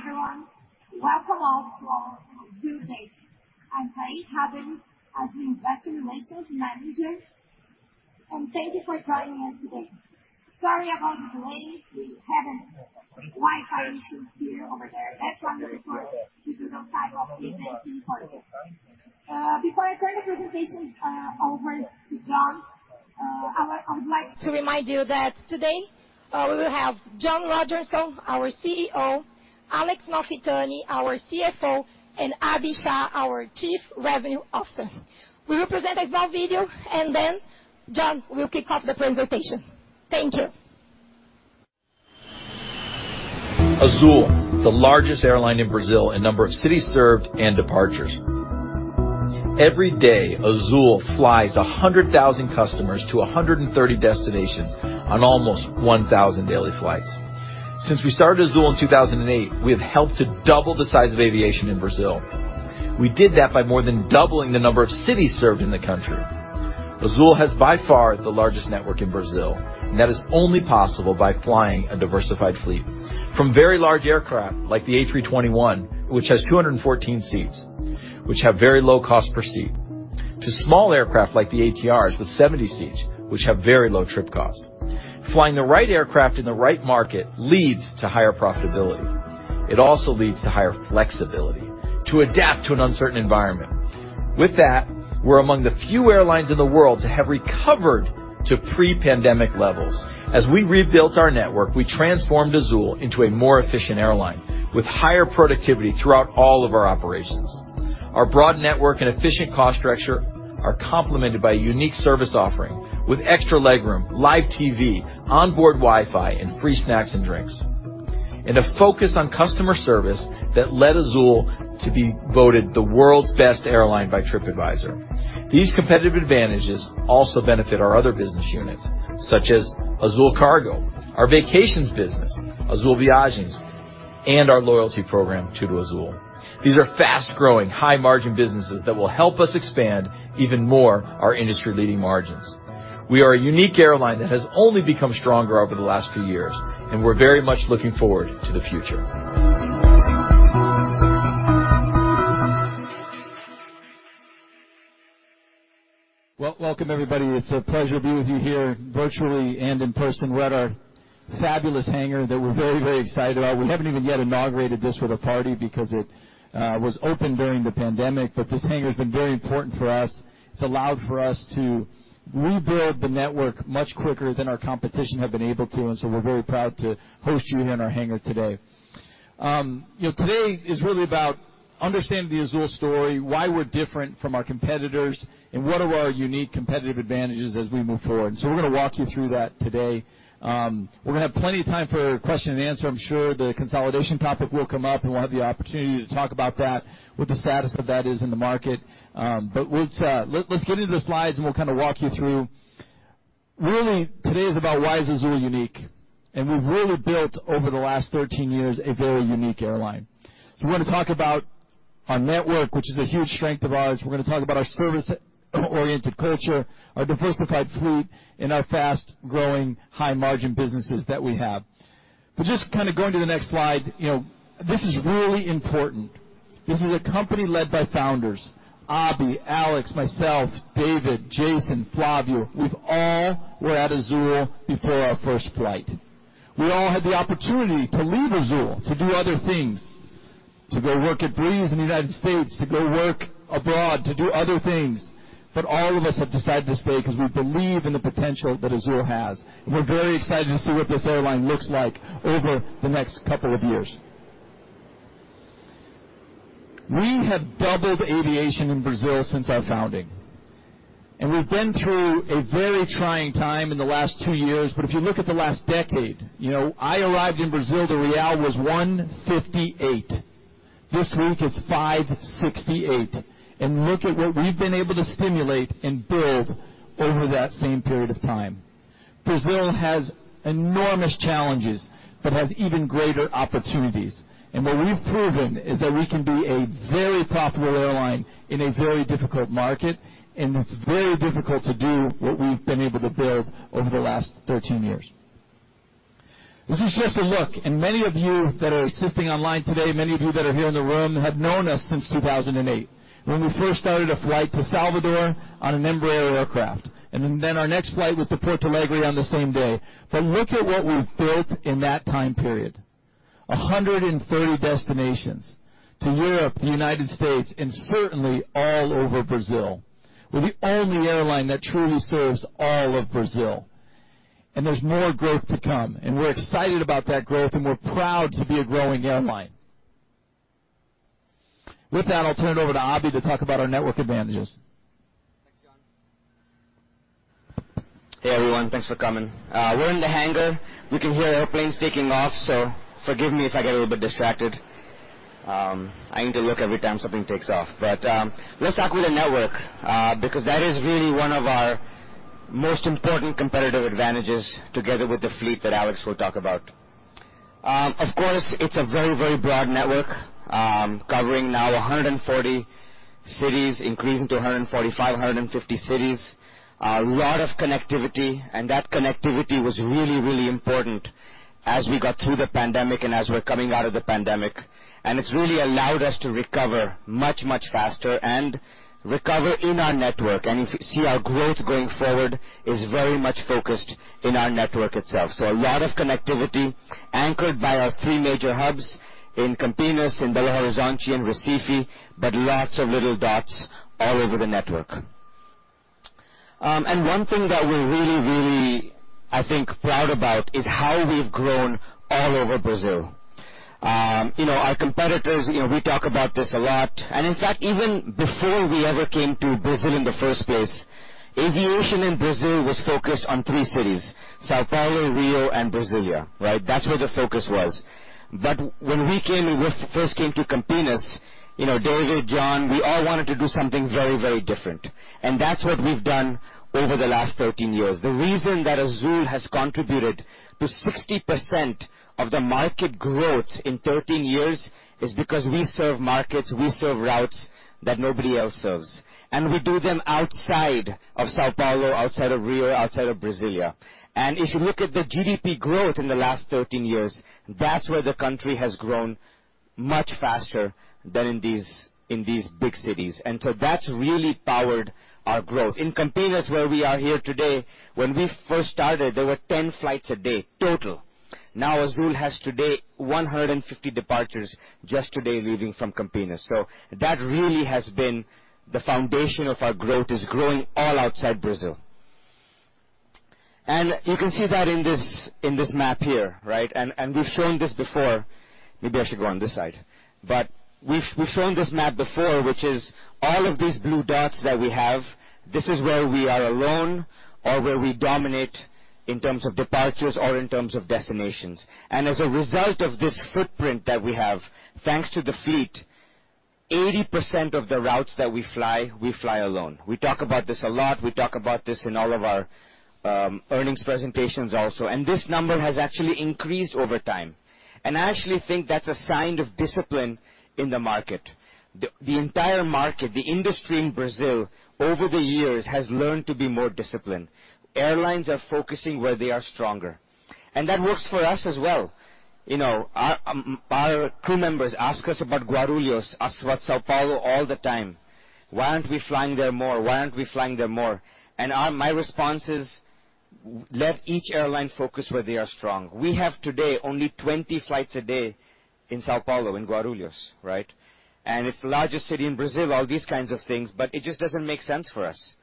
Hi, everyone. Welcome all to our Azul Day. I'm Thais Haberli, as the Investor Relations Manager. Thank you for joining us today. Sorry about the delay. We have a Wi-Fi issue here over there, that's one of the problems because of type of event in Portugal. Before I turn the presentation over to John, I would like to remind you that today we will have John Rodgerson, our CEO, Alex Malfitani, our CFO, and Abhi Shah, our Chief Revenue Officer. We will present a small video, and then John will kick off the presentation. Thank you. Azul, the largest airline in Brazil in number of cities served and departures. Every day, Azul flies 100,000 customers to 130 destinations on almost 1,000 daily flights. Since we started Azul in 2008, we have helped to double the size of aviation in Brazil. We did that by more than doubling the number of cities served in the country. Azul has, by far, the largest network in Brazil, and that is only possible by flying a diversified fleet. From very large aircraft like the A321, which has 214 seats, which have very low cost per seat, to small aircraft like the ATRs with 70 seats, which have very low trip cost. Flying the right aircraft in the right market leads to higher profitability. It also leads to higher flexibility to adapt to an uncertain environment. With that, we're among the few airlines in the world to have recovered to pre-pandemic levels. As we rebuilt our network, we transformed Azul into a more efficient airline with higher productivity throughout all of our operations. Our broad network and efficient cost structure are complemented by a unique service offering with extra legroom, live TV, onboard Wi-Fi, and free snacks and drinks, and a focus on customer service that led Azul to be voted the world's best airline by Tripadvisor. These competitive advantages also benefit our other business units, such as Azul Cargo, our vacations business, Azul Viagens, and our loyalty program, TudoAzul. These are fast-growing, high-margin businesses that will help us expand even more our industry-leading margins. We are a unique airline that has only become stronger over the last few years, and we're very much looking forward to the future. Welcome everybody. It's a pleasure to be with you here virtually and in person. We're at our fabulous hangar that we're very, very excited about. We haven't even yet inaugurated this with a party because it was open during the pandemic, but this hangar has been very important for us. It's allowed for us to rebuild the network much quicker than our competition have been able to, and so we're very proud to host you here in our hangar today. You know, today is really about understanding the Azul story, why we're different from our competitors, and what are our unique competitive advantages as we move forward. We're gonna walk you through that today. We're gonna have plenty of time for question and answer. I'm sure the consolidation topic will come up, and we'll have the opportunity to talk about that, what the status of that is in the market. But let's get into the slides, and we'll kinda walk you through. Really, today is about why is Azul unique, and we've really built over the last 13 years a very unique airline. We're gonna talk about our network, which is a huge strength of ours. We're gonna talk about our service-oriented culture, our diversified fleet, and our fast-growing, high-margin businesses that we have. Just kinda going to the next slide, you know, this is really important. This is a company led by founders. Abhi, Alex, myself, David, Jason, Flavio, we've all were at Azul before our first flight. We all had the opportunity to leave Azul to do other things, to go work at Breeze in the United States, to go work abroad, to do other things. All of us have decided to stay because we believe in the potential that Azul has, and we're very excited to see what this airline looks like over the next couple of years. We have doubled aviation in Brazil since our founding, and we've been through a very trying time in the last two years. If you look at the last decade, you know, I arrived in Brazil, the real was 1.58. This week it's 5.68. Look at what we've been able to stimulate and build over that same period of time. Brazil has enormous challenges but has even greater opportunities. What we've proven is that we can be a very popular airline in a very difficult market, and it's very difficult to do what we've been able to build over the last 13 years. This is just a look, and many of you that are listening online today, many of you that are here in the room have known us since 2008 when we first started a flight to Salvador on an Embraer aircraft. Then our next flight was to Porto Alegre on the same day. Look at what we've built in that time period, 130 destinations to Europe, the United States, and certainly all over Brazil. We're the only airline that truly serves all of Brazil. There's more growth to come, and we're excited about that growth, and we're proud to be a growing airline. With that, I'll turn it over to Abhi to talk about our network advantages. Thanks, John. Hey, everyone. Thanks for coming. We're in the hangar. We can hear airplanes taking off, so forgive me if I get a little bit distracted. I need to look every time something takes off. Let's talk about the network, because that is really one of our most important competitive advantages together with the fleet that Alex will talk about. Of course, it's a very broad network, covering now 140 cities, increasing to 145, 150 cities. A lot of connectivity, and that connectivity was really important as we got through the pandemic and as we're coming out of the pandemic. It's really allowed us to recover much faster and recover in our network. If you see our growth going forward is very much focused in our network itself. So a lot of connectivity anchored by our three major hubs in Campinas, in Belo Horizonte, in Recife, but lots of little dots all over the network. One thing that we're really, I think, proud about is how we've grown all over Brazil. You know, our competitors, you know, we talk about this a lot, and in fact, even before we ever came to Brazil in the first place, aviation in Brazil was focused on three cities, São Paulo, Rio, and Brasília, right? That's where the focus was. When we came, we first came to Campinas, you know, David, John, we all wanted to do something very, very different, and that's what we've done over the last 13 years. The reason that Azul has contributed to 60% of the market growth in 13 years is because we serve markets, we serve routes that nobody else serves, and we do them outside of São Paulo, outside of Rio, outside of Brasília. If you look at the GDP growth in the last 13 years, that's where the country has grown much faster than in these big cities. That's really powered our growth. In Campinas, where we are here today, when we first started, there were 10 flights a day total. Now, Azul has today 150 departures just today leaving from Campinas. That really has been the foundation of our growth, is growing all outside Brazil. You can see that in this map here, right? We've shown this before. Maybe I should go on this side. We've shown this map before, which is all of these blue dots that we have, this is where we are alone or where we dominate in terms of departures or in terms of destinations. As a result of this footprint that we have, thanks to the fleet, 80% of the routes that we fly, we fly alone. We talk about this a lot. We talk about this in all of our earnings presentations also. This number has actually increased over time. I actually think that's a sign of discipline in the market. The entire market, the industry in Brazil over the years has learned to be more disciplined. Airlines are focusing where they are stronger, and that works for us as well. You know, our crew members ask us about Guarulhos, ask about São Paulo all the time. Why aren't we flying there more? My response is, let each airline focus where they are strong. We have today only 20 flights a day in São Paulo, in Guarulhos, right? It's the largest city in Brazil, all these kinds of things, but it just doesn't make sense for us.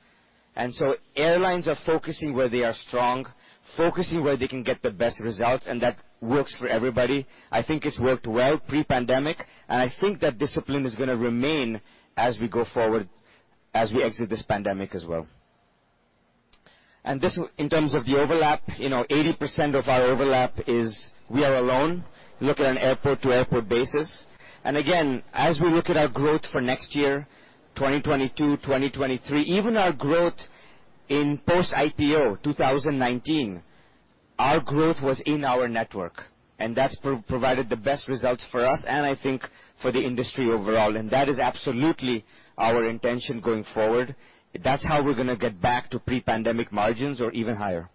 Airlines are focusing where they are strong, focusing where they can get the best results, and that works for everybody. I think it's worked well pre-pandemic, and I think that discipline is gonna remain as we go forward, as we exit this pandemic as well. This, in terms of the overlap, you know, 80% of our overlap is we are alone. Look at an airport-to-airport basis. Again, as we look at our growth for next year, 2022, 2023, even our growth in post-IPO, 2019, our growth was in our network, and that's provided the best results for us and I think for the industry overall. That is absolutely our intention going forward. That's how we're gonna get back to pre-pandemic margins or even higher.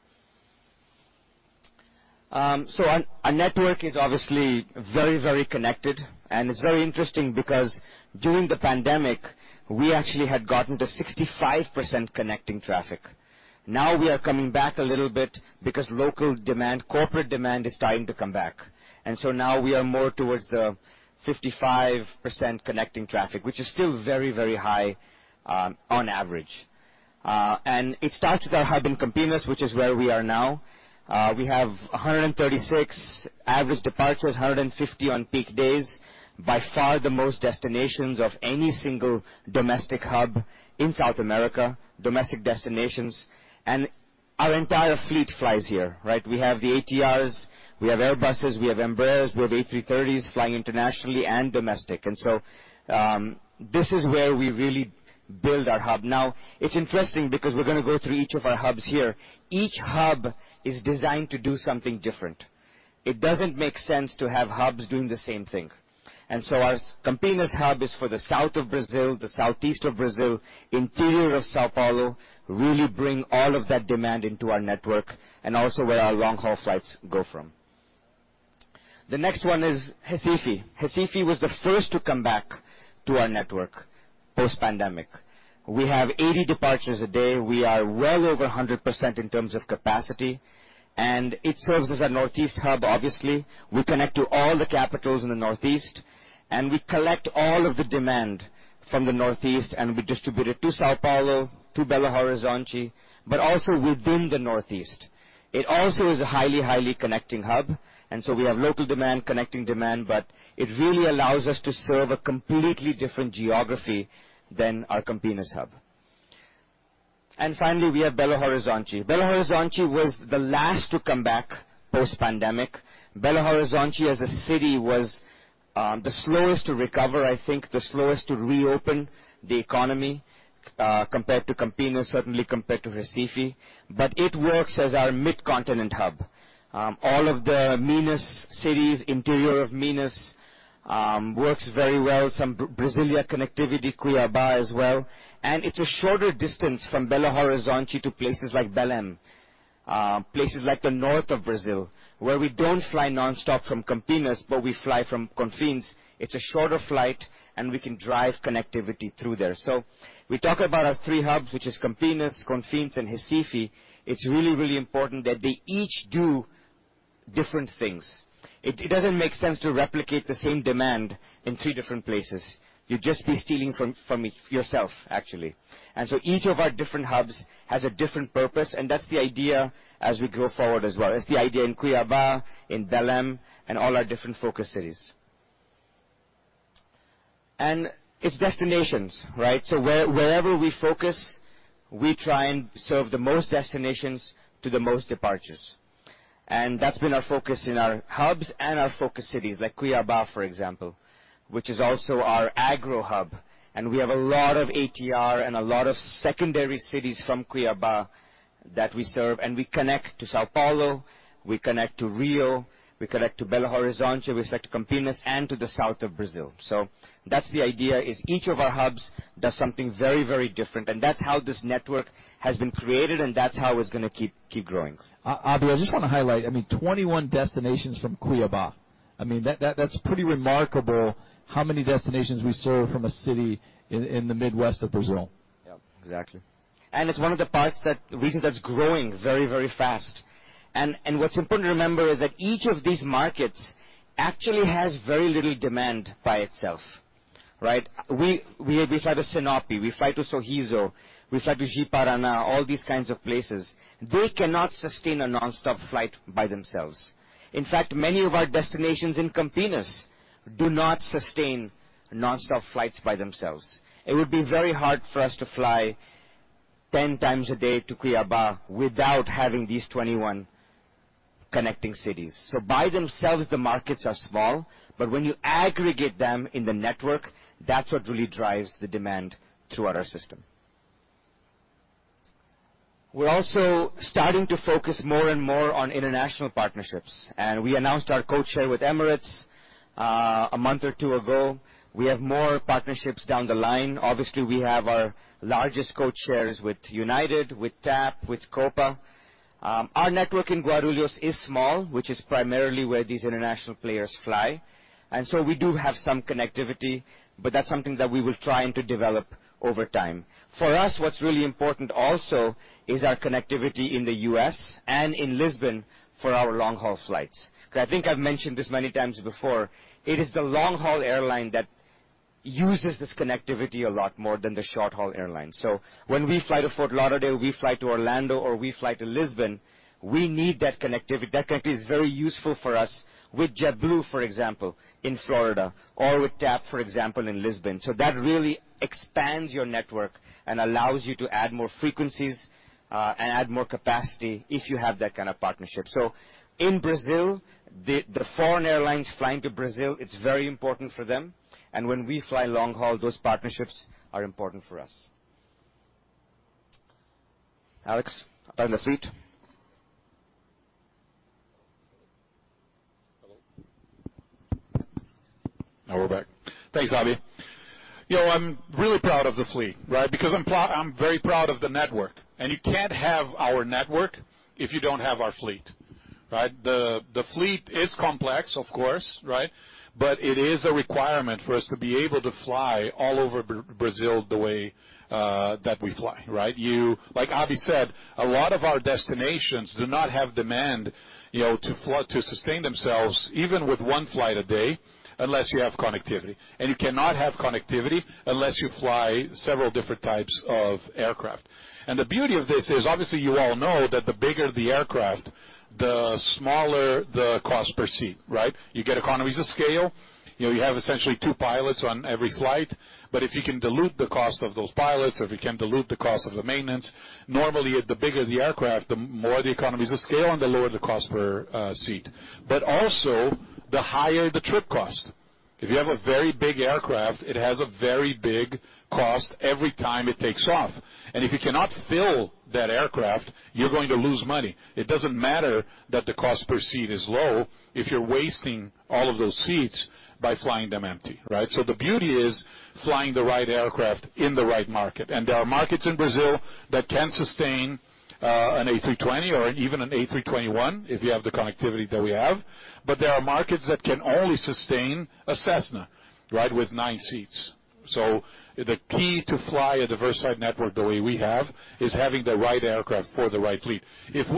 Our network is obviously very, very connected, and it's very interesting because during the pandemic we actually had gotten to 65% connecting traffic. Now we are coming back a little bit because local demand, corporate demand is starting to come back. Now we are more towards the 55% connecting traffic, which is still very, very high on average. It starts with our hub in Campinas, which is where we are now. We have 136 average departures, 150 on peak days. By far the most destinations of any single domestic hub in South America, domestic destinations. Our entire fleet flies here, right? We have the ATRs, we have Airbuses, we have Embraers, we have A330s flying internationally and domestic. This is where we really build our hub. Now, it's interesting because we're gonna go through each of our hubs here. Each hub is designed to do something different. It doesn't make sense to have hubs doing the same thing. Our Campinas hub is for the south of Brazil, the southeast of Brazil, interior of São Paulo, really bring all of that demand into our network and also where our long-haul flights go from. The next one is Recife. Recife was the first to come back to our network post-pandemic. We have 80 departures a day. We are well over 100% in terms of capacity, and it serves as our Northeast hub, obviously. We connect to all the capitals in the Northeast, and we collect all of the demand from the Northeast, and we distribute it to São Paulo, to Belo Horizonte, but also within the Northeast. It also is a highly, highly connecting hub, so we have local demand, connecting demand, but it really allows us to serve a completely different geography than our Campinas hub. Finally, we have Belo Horizonte. Belo Horizonte was the last to come back post-pandemic. Belo Horizonte as a city was the slowest to recover, I think the slowest to reopen the economy, compared to Campinas, certainly compared to Recife, but it works as our mid-continent hub. All of the Minas cities, interior of Minas, works very well, some Brasília connectivity, Cuiabá as well. It's a shorter distance from Belo Horizonte to places like Belém, places like the north of Brazil, where we don't fly nonstop from Campinas, but we fly from Confins. It's a shorter flight, and we can drive connectivity through there. We talk about our three hubs, which is Campinas, Confins, and Recife. It's really, really important that they each do different things. It doesn't make sense to replicate the same demand in three different places. You'd just be stealing from yourself, actually. Each of our different hubs has a different purpose, and that's the idea as we go forward as well. That's the idea in Cuiabá, in Belém, and all our different focus cities. It's destinations, right? Wherever we focus, we try and serve the most destinations to the most departures. That's been our focus in our hubs and our focus cities, like Cuiabá, for example, which is also our agro hub. We have a lot of ATR and a lot of secondary cities from Cuiabá that we serve, and we connect to São Paulo, we connect to Rio, we connect to Belo Horizonte, we connect to Campinas and to the south of Brazil. That's the idea, is each of our hubs does something very, very different. That's how this network has been created, and that's how it's gonna keep growing. Abhi, I just wanna highlight, I mean, 21 destinations from Cuiabá. I mean, that's pretty remarkable how many destinations we serve from a city in the Midwest of Brazil. Yep. Exactly. It's one of the regions that's growing very, very fast. What's important to remember is that each of these markets actually has very little demand by itself, right? We fly to Sinop, we fly to Sorriso, we fly to Ji-Paraná, all these kinds of places. They cannot sustain a nonstop flight by themselves. In fact, many of our destinations in Campinas do not sustain nonstop flights by themselves. It would be very hard for us to fly 10 times a day to Cuiabá without having these 21 connecting cities. By themselves, the markets are small, but when you aggregate them in the network, that's what really drives the demand throughout our system. We're also starting to focus more and more on international partnerships, and we announced our codeshare with Emirates a month or two ago. We have more partnerships down the line. Obviously, we have our largest codeshares with United, with TAP, with Copa. Our network in Guarulhos is small, which is primarily where these international players fly. We do have some connectivity, but that's something that we will try and to develop over time. For us, what's really important also is our connectivity in the U.S. and in Lisbon for our long-haul flights. Because I think I've mentioned this many times before, it is the long-haul airline that uses this connectivity a lot more than the short-haul airlines. When we fly to Fort Lauderdale, we fly to Orlando or we fly to Lisbon, we need that connectivity. That connectivity is very useful for us with JetBlue, for example, in Florida or with TAP, for example, in Lisbon. That really expands your network and allows you to add more frequencies, and add more capacity if you have that kind of partnership. In Brazil, the foreign airlines flying to Brazil, it's very important for them. When we fly long haul, those partnerships are important for us. Alex, on the fleet. Hello? Now we're back. Thanks, Abhi. You know, I'm really proud of the fleet, right? Because I'm very proud of the network. You can't have our network if you don't have our fleet, right? The fleet is complex, of course, right? It is a requirement for us to be able to fly all over Brazil the way that we fly, right? Like Abhi said, a lot of our destinations do not have demand, you know, to sustain themselves, even with one flight a day, unless you have connectivity. You cannot have connectivity unless you fly several different types of aircraft. The beauty of this is, obviously, you all know that the bigger the aircraft, the smaller the cost per seat, right? You get economies of scale. You know, you have essentially two pilots on every flight. If you can dilute the cost of those pilots, or if you can dilute the cost of the maintenance, normally, the bigger the aircraft, the more the economies of scale and the lower the cost per seat. The higher the trip cost. If you have a very big aircraft, it has a very big cost every time it takes off. If you cannot fill that aircraft, you're going to lose money. It doesn't matter that the cost per seat is low if you're wasting all of those seats by flying them empty, right? The beauty is flying the right aircraft in the right market. There are markets in Brazil that can sustain an A320 or even an A321 if you have the connectivity that we have. There are markets that can only sustain a Cessna, right? With nine seats. The key to fly a diversified network the way we have is having the right aircraft for the right fleet. If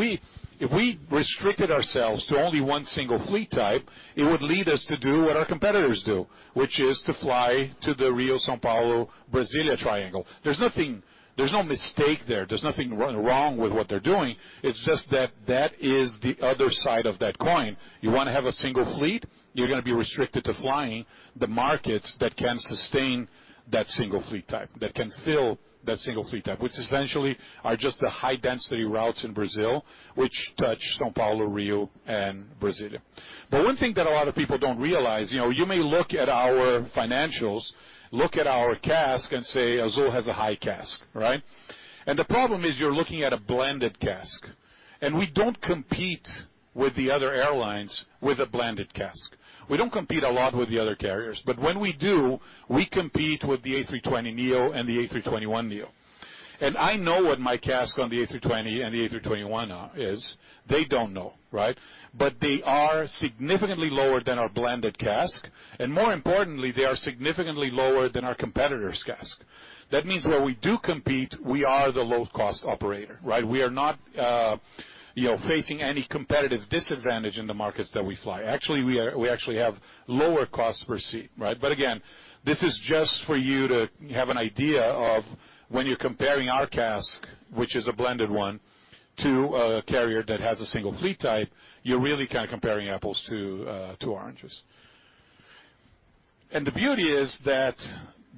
we restricted ourselves to only one single fleet type, it would lead us to do what our competitors do, which is to fly to the Rio, São Paulo, Brasília triangle. There's nothing. There's no mistake there. There's nothing wrong with what they're doing. It's just that that is the other side of that coin. You wanna have a single fleet, you're gonna be restricted to flying the markets that can sustain that single fleet type, that can fill that single fleet type, which essentially are just the high-density routes in Brazil, which touch São Paulo, Rio, and Brasília. One thing that a lot of people don't realize, you know, you may look at our financials, look at our CASK and say, "Azul has a high CASK," right? The problem is you're looking at a blended CASK, and we don't compete with the other airlines with a blended CASK. We don't compete a lot with the other carriers, but when we do, we compete with the A320 NEO and the A321 NEO. I know what my CASK on the A320 and the A321 is, they don't know, right? They are significantly lower than our blended CASK, and more importantly, they are significantly lower than our competitor's CASK. That means where we do compete, we are the low-cost operator, right? We are not, you know, facing any competitive disadvantage in the markets that we fly. Actually, we actually have lower cost per seat, right? Again, this is just for you to have an idea of when you're comparing our CASK, which is a blended one, to a carrier that has a single fleet type, you really are kind of comparing apples to oranges. The beauty is that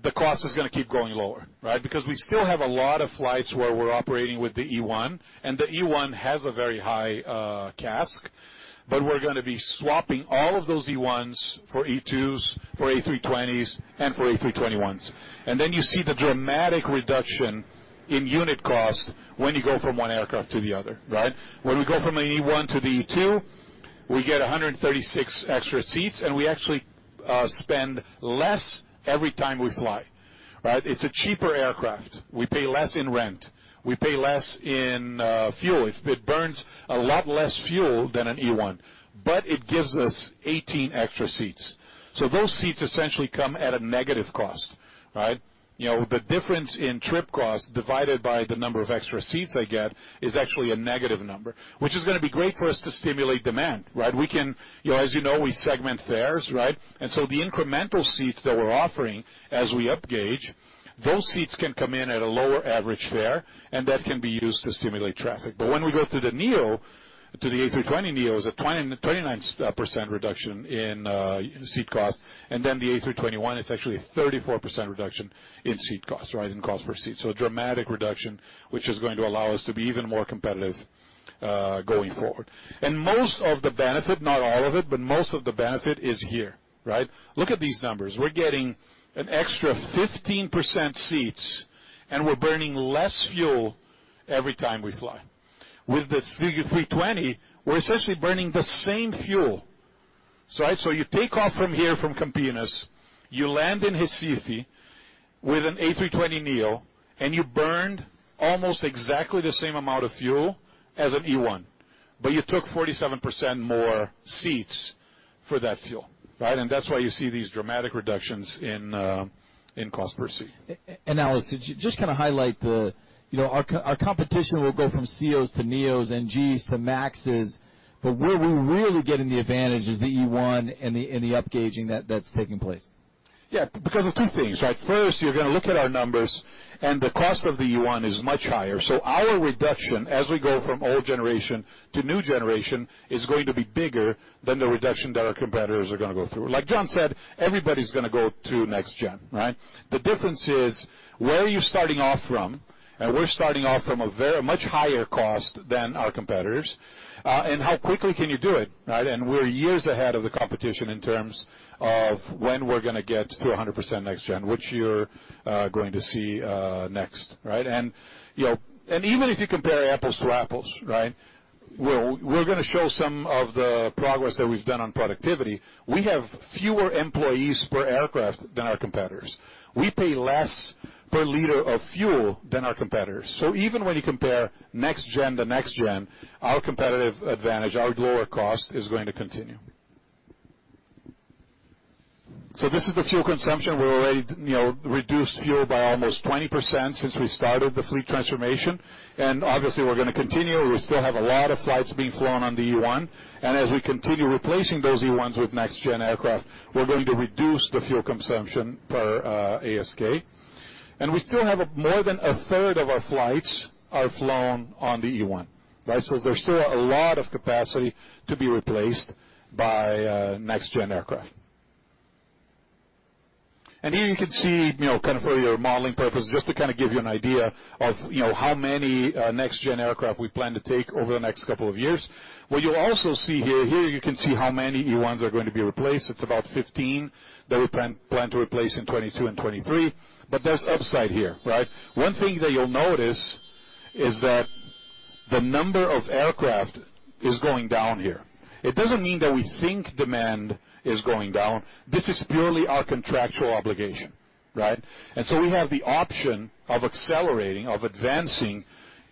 the cost is gonna keep going lower, right? Because we still have a lot of flights where we're operating with the E1, and the E1 has a very high CASK, but we're gonna be swapping all of those E1s for E2s, for A320s, and for A321s. Then you see the dramatic reduction in unit cost when you go from one aircraft to the other, right? When we go from an E1 to the E2, we get 136 extra seats, and we actually spend less every time we fly, right? It's a cheaper aircraft. We pay less in rent. We pay less in fuel. It burns a lot less fuel than an E1, but it gives us 18 extra seats. So those seats essentially come at a negative cost, right? You know, the difference in trip cost divided by the number of extra seats I get is actually a negative number, which is gonna be great for us to stimulate demand, right? We can, you know, as you know, we segment fares, right? The incremental seats that we're offering as we upgauge, those seats can come in at a lower average fare, and that can be used to stimulate traffic. When we go to the NEO, to the A320 NEO, it's a 29%-39% reduction in seat cost, and then the A321 is actually a 34% reduction in seat cost, right, in cost per seat. A dramatic reduction, which is going to allow us to be even more competitive going forward. Most of the benefit, not all of it, but most of the benefit is here, right? Look at these numbers. We're getting an extra 15% seats, and we're burning less fuel every time we fly. With the A330, we're essentially burning the same fuel. You take off from here, from Campinas, you land in Recife with an A320 NEO, and you burned almost exactly the same amount of fuel as an E1, but you took 47% more seats for that fuel, right? That's why you see these dramatic reductions in cost per seat. Alex, did you just kinda highlight the, you know, our competition will go from CEOs to NEOs, NGs to MAXs, but where we're really getting the advantage is the E1 and the upgauging that's taking place. Yeah, because of two things, right? First, you're gonna look at our numbers, and the cost of the E1 is much higher. Our reduction, as we go from old generation to new generation, is going to be bigger than the reduction that our competitors are gonna go through. Like John said, everybody's gonna go to next gen, right? The difference is where are you starting off from, and we're starting off from a very much higher cost than our competitors, and how quickly can you do it, right? We're years ahead of the competition in terms of when we're gonna get to 100% next gen, which you're going to see next, right? You know, even if you compare apples to apples, right, we're gonna show some of the progress that we've done on productivity. We have fewer employees per aircraft than our competitors. We pay less per liter of fuel than our competitors. Even when you compare next gen to next gen, our competitive advantage, our lower cost is going to continue. This is the fuel consumption. We already, you know, reduced fuel by almost 20% since we started the fleet transformation. Obviously, we're gonna continue. We still have a lot of flights being flown on the E1, and as we continue replacing those E1s with next-gen aircraft, we're going to reduce the fuel consumption per ASK. We still have more than a third of our flights are flown on the E1, right? There's still a lot of capacity to be replaced by next-gen aircraft. Here you can see, you know, kind of for your modeling purpose, just to kind of give you an idea of, you know, how many next-gen aircraft we plan to take over the next couple of years. What you'll also see here you can see how many E1s are going to be replaced. It's about 15 that we plan to replace in 2022 and 2023, but there's upside here, right? One thing that you'll notice is that the number of aircraft is going down here. It doesn't mean that we think demand is going down. This is purely our contractual obligation, right? We have the option of accelerating, of advancing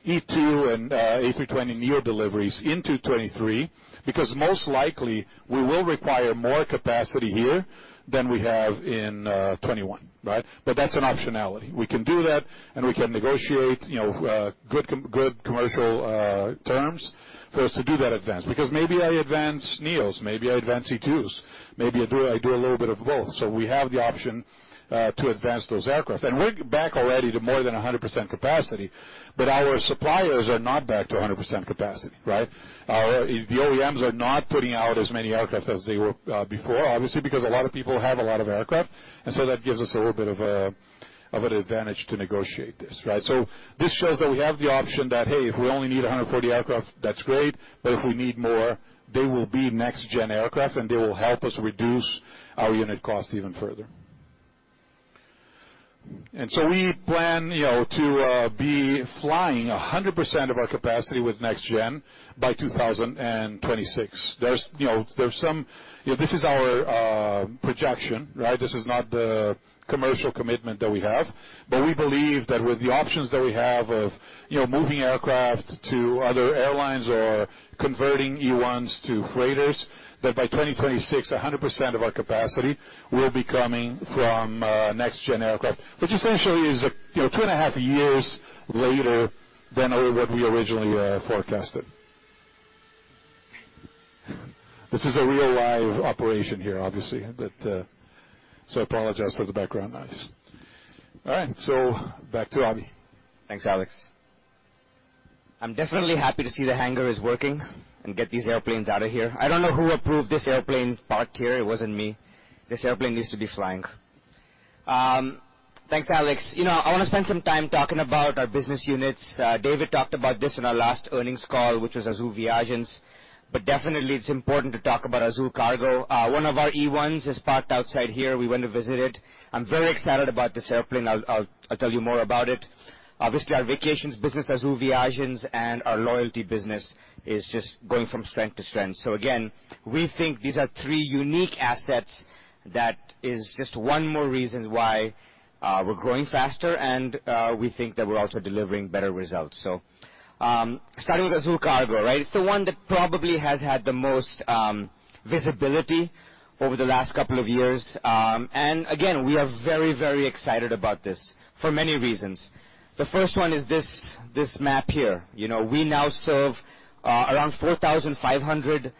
E2 and A320 NEO deliveries into 2023 because most likely, we will require more capacity here than we have in 2021, right? But that's an optionality. We can do that, and we can negotiate, you know, good commercial terms for us to do that advance. Because maybe I advance NEOs, maybe I advance E2s, maybe I do a little bit of both. We have the option to advance those aircraft. We're back already to more than 100% capacity, but our suppliers are not back to 100% capacity, right? The OEMs are not putting out as many aircraft as they were before, obviously because a lot of people have a lot of aircraft. That gives us a little bit of an advantage to negotiate this, right? This shows that we have the option that, hey, if we only need 140 aircraft, that's great. If we need more, they will be next-gen aircraft, and they will help us reduce our unit cost even further. We plan, you know, to be flying 100% of our capacity with next-gen by 2026. You know, this is our projection, right? This is not the commercial commitment that we have. We believe that with the options that we have of, you know, moving aircraft to other airlines or converting E1s to freighters, that by 2026, 100% of our capacity will be coming from next-gen aircraft, which essentially is, you know, 2.5 years later than what we originally forecasted. This is a real live operation here, obviously. I apologize for the background noise. All right, back to Abhi. Thanks, Alex. I'm definitely happy to see the hangar is working and get these airplanes out of here. I don't know who approved this airplane parked here. It wasn't me. This airplane needs to be flying. Thanks, Alex. You know, I wanna spend some time talking about our business units. David talked about this in our last earnings call, which was Azul Viagens, but definitely it's important to talk about Azul Cargo. One of our E1s is parked outside here. We went to visit it. I'm very excited about this airplane. I'll tell you more about it. Obviously, our vacations business, Azul Viagens, and our loyalty business is just going from strength to strength. Again, we think these are three unique assets that is just one more reason why, we're growing faster and, we think that we're also delivering better results. Starting with Azul Cargo, right? It's the one that probably has had the most visibility over the last couple of years. Again, we are very excited about this for many reasons. The first one is this map here. You know, we now serve around 4,500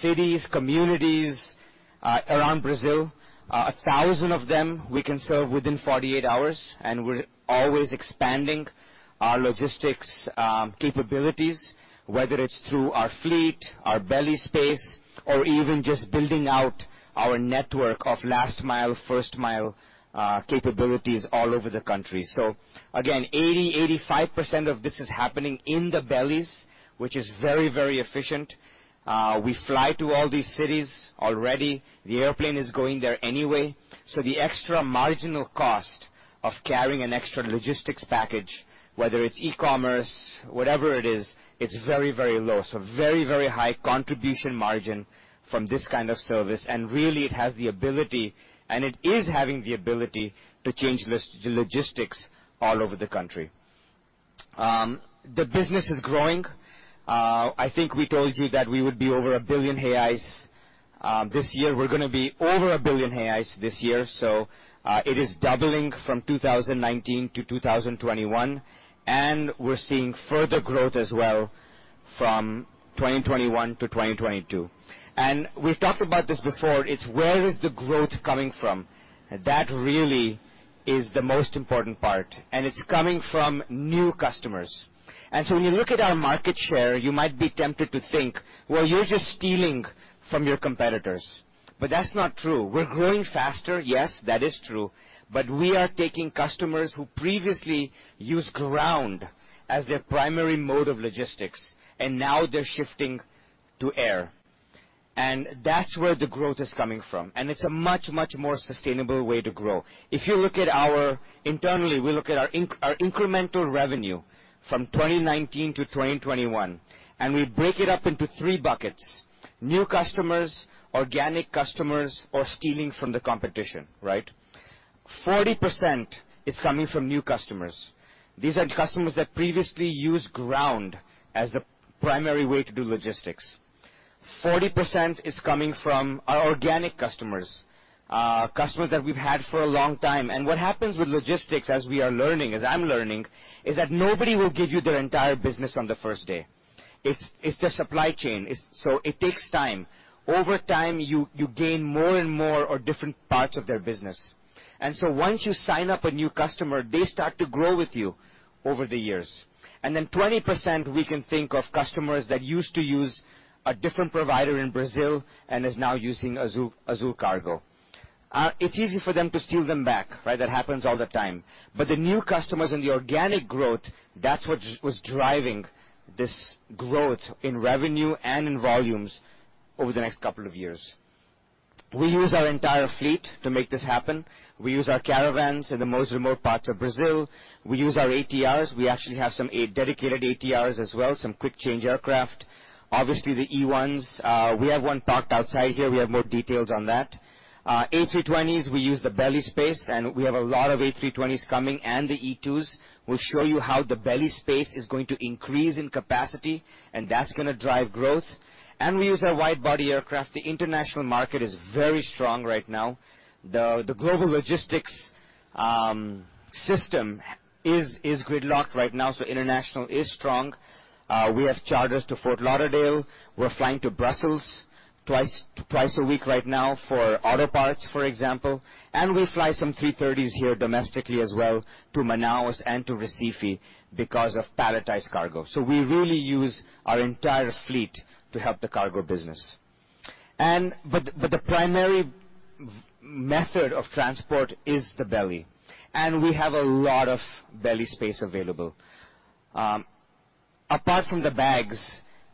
cities, communities around Brazil. 1,000 of them we can serve within 48 hours, and we're always expanding our logistics capabilities, whether it's through our fleet, our belly space, or even just building out our network of last mile, first-mile capabilities all over the country. Again, 80%-85% of this is happening in the bellies, which is very efficient. We fly to all these cities already. The airplane is going there anyway, so the extra marginal cost of carrying an extra logistics package, whether it's e-commerce, whatever it is, it's very, very low. Very, very high contribution margin from this kind of service, and really it has the ability, and it is having the ability to change this logistics all over the country. The business is growing. I think we told you that we would be over 1 billion reais this year. We're gonna be over 1 billion reais this year. It is doubling from 2019 to 2021, and we're seeing further growth as well from 2021 to 2022. We've talked about this before, it's where is the growth coming from? That really is the most important part, and it's coming from new customers. When you look at our market share, you might be tempted to think, "Well, you're just stealing from your competitors." That's not true. We're growing faster. Yes, that is true. We are taking customers who previously used ground as their primary mode of logistics, and now they're shifting to air. That's where the growth is coming from, and it's a much, much more sustainable way to grow. If you look at our internally, we look at our incremental revenue from 2019 to 2021, and we break it up into three buckets: new customers, organic customers, or stealing from the competition, right? 40% is coming from new customers. These are customers that previously used ground as the primary way to do logistics. 40% is coming from our organic customers that we've had for a long time. What happens with logistics, as we are learning, as I'm learning, is that nobody will give you their entire business on the first day. It's their supply chain. It takes time. Over time, you gain more and more or different parts of their business. Once you sign up a new customer, they start to grow with you over the years. 20%, we can think of customers that used to use a different provider in Brazil and is now using Azul Cargo. It's easy for them to steal them back, right? That happens all the time. But the new customers and the organic growth, that's what's driving this growth in revenue and in volumes over the next couple of years. We use our entire fleet to make this happen. We use our Caravans in the most remote parts of Brazil. We use our ATRs. We actually have some dedicated ATRs as well, some quick change aircraft. Obviously, the E1s, we have one parked outside here. We have more details on that. A320s, we use the belly space, and we have a lot of A320s coming, and the E2s. We'll show you how the belly space is going to increase in capacity, and that's gonna drive growth. We use our wide-body aircraft. The international market is very strong right now. The global logistics system is gridlocked right now, so international is strong. We have charters to Fort Lauderdale. We're flying to Brussels twice a week right now for auto parts, for example. We fly some A330s here domestically as well to Manaus and to Recife because of palletized cargo. We really use our entire fleet to help the cargo business. The primary method of transport is the belly, and we have a lot of belly space available. Apart from the bags,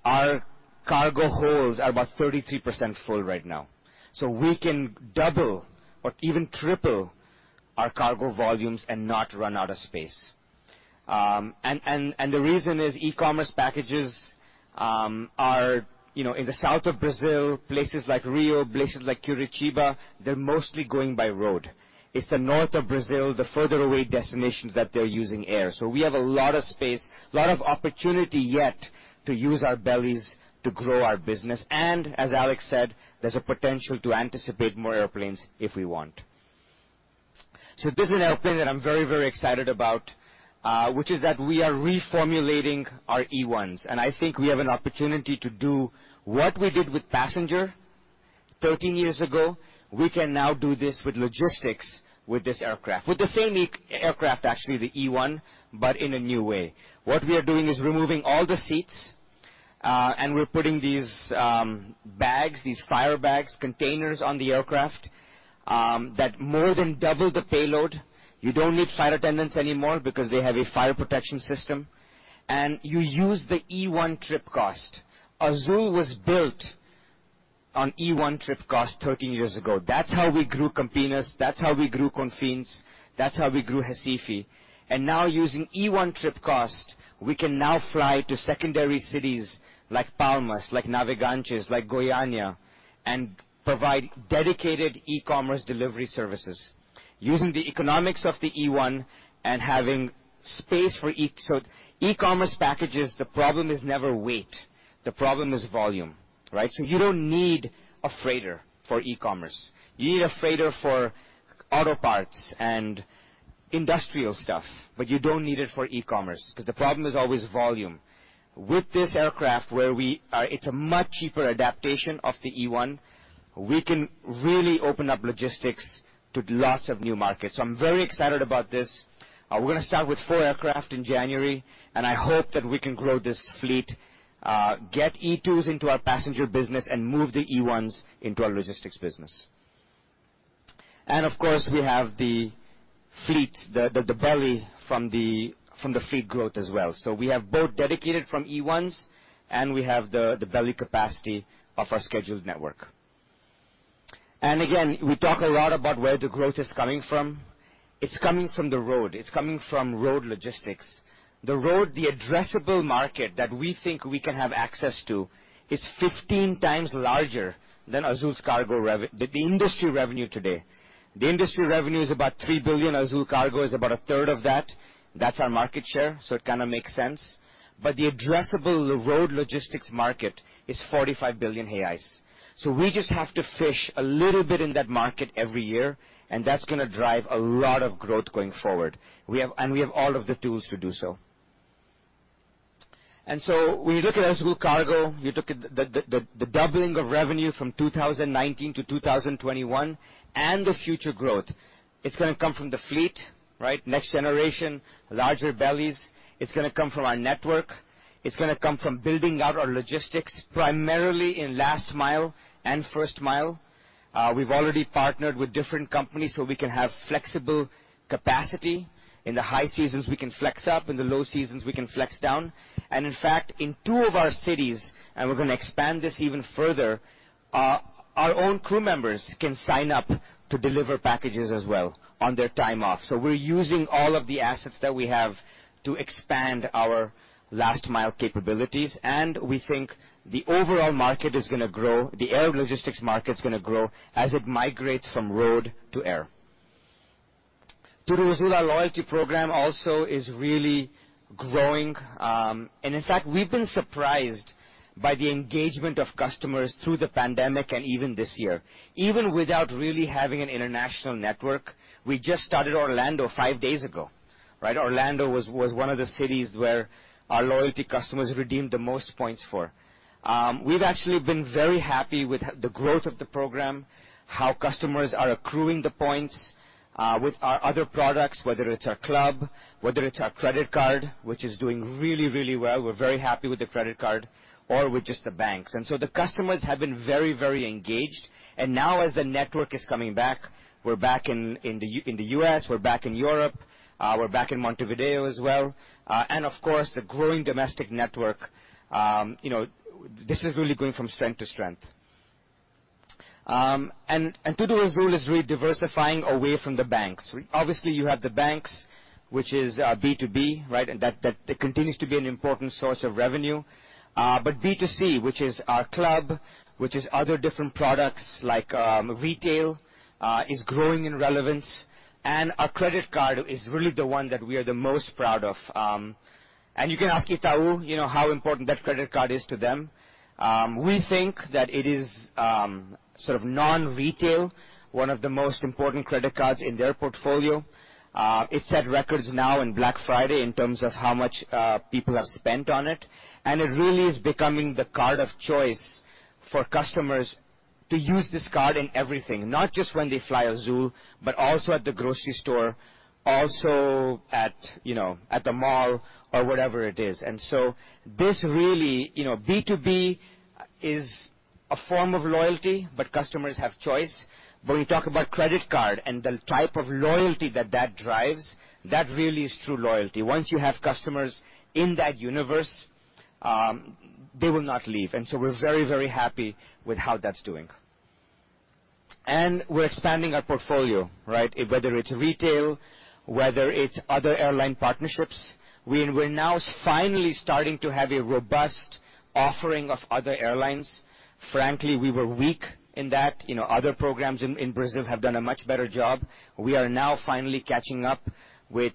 our cargo holds are about 33% full right now. We can double or even triple our cargo volumes and not run out of space. The reason is e-commerce packages are, you know, in the south of Brazil, places like Rio, places like Curitiba, they're mostly going by road. It's the north of Brazil, the further away destinations that they're using air. We have a lot of space, a lot of opportunity yet to use our bellies to grow our business. As Alex said, there's a potential to anticipate more airplanes if we want. This is an airplane that I'm very, very excited about, which is that we are reformulating our E1s, and I think we have an opportunity to do what we did with passenger 13 years ago. We can now do this with logistics with this aircraft, with the same E1 aircraft, actually, the E1, but in a new way. What we are doing is removing all the seats, and we're putting these bags, these freight bags, containers on the aircraft, that more than double the payload. You don't need flight attendants anymore because they have a fire protection system. You use the E1 trip cost. Azul was built on E1 trip cost 13 years ago. That's how we grew Campinas, that's how we grew Confins, that's how we grew Recife. Now using E1 trip cost, we can now fly to secondary cities like Palmas, like Navegantes, like Goiânia, and provide dedicated e-commerce delivery services. Using the economics of the E1 and having space for e-commerce packages, the problem is never weight, the problem is volume, right? You don't need a freighter for e-commerce. You need a freighter for auto parts and industrial stuff, but you don't need it for e-commerce 'cause the problem is always volume. With this aircraft where we are, it's a much cheaper adaptation of the E1, we can really open up logistics to lots of new markets. I'm very excited about this. We're gonna start with four aircraft in January, and I hope that we can grow this fleet, get E2s into our passenger business and move the E1s into our logistics business. Of course, we have the fleet, the belly from the fleet growth as well. We have both dedicated from E1s, and we have the belly capacity of our scheduled network. We talk a lot about where the growth is coming from. It's coming from the road. It's coming from road logistics. The road addressable market that we think we can have access to is 15 times larger than Azul's Cargo, the industry revenue today. The industry revenue is about 3 billion. Azul Cargo is about a third of that. That's our market share, so it kinda makes sense. But the addressable road logistics market is 45 billion reais. We just have to fish a little bit in that market every year, and that's gonna drive a lot of growth going forward. We have all of the tools to do so. When you look at Azul Cargo, you look at the doubling of revenue from 2019 to 2021 and the future growth, it's gonna come from the fleet, right? Next generation, larger bellies. It's gonna come from our network. It's gonna come from building out our logistics, primarily in last mile and first mile. We've already partnered with different companies, so we can have flexible capacity. In the high seasons, we can flex up, in the low seasons, we can flex down. In fact, in two of our cities, and we're gonna expand this even further, our own crew members can sign up to deliver packages as well on their time off. We're using all of the assets that we have to expand our last mile capabilities, and we think the overall market is gonna grow, the air logistics market is gonna grow as it migrates from road to air. TudoAzul, our loyalty program, also is really growing. In fact, we've been surprised by the engagement of customers through the pandemic and even this year. Even without really having an international network, we just started Orlando five days ago, right? Orlando was one of the cities where our loyalty customers redeemed the most points for. We've actually been very happy with the growth of the program, how customers are accruing the points, with our other products, whether it's our club, whether it's our credit card, which is doing really, really well. We're very happy with the credit card or with just the banks. The customers have been very, very engaged. Now as the network is coming back, we're back in the U.S., we're back in Europe, we're back in Montevideo as well. Of course, the growing domestic network, you know, this is really going from strength to strength. TudoAzul is really diversifying away from the banks. Obviously, you have the banks, which is B2B, right? That continues to be an important source of revenue. B2C, which is our club, which is other different products like retail, is growing in relevance. Our credit card is really the one that we are the most proud of. You can ask Itaú, you know, how important that credit card is to them. We think that it is sort of non-retail, one of the most important credit cards in their portfolio. It set records now in Black Friday in terms of how much people have spent on it. It really is becoming the card of choice for customers to use this card in everything, not just when they fly Azul, but also at the grocery store, also at, you know, at the mall or whatever it is. This really, you know, B2B is a form of loyalty, but customers have choice. When we talk about credit card and the type of loyalty that that drives, that really is true loyalty. Once you have customers in that universe, they will not leave. We're very happy with how that's doing. We're expanding our portfolio, right? Whether it's retail, whether it's other airline partnerships. We're now finally starting to have a robust offering of other airlines. Frankly, we were weak in that. You know, other programs in Brazil have done a much better job. We are now finally catching up with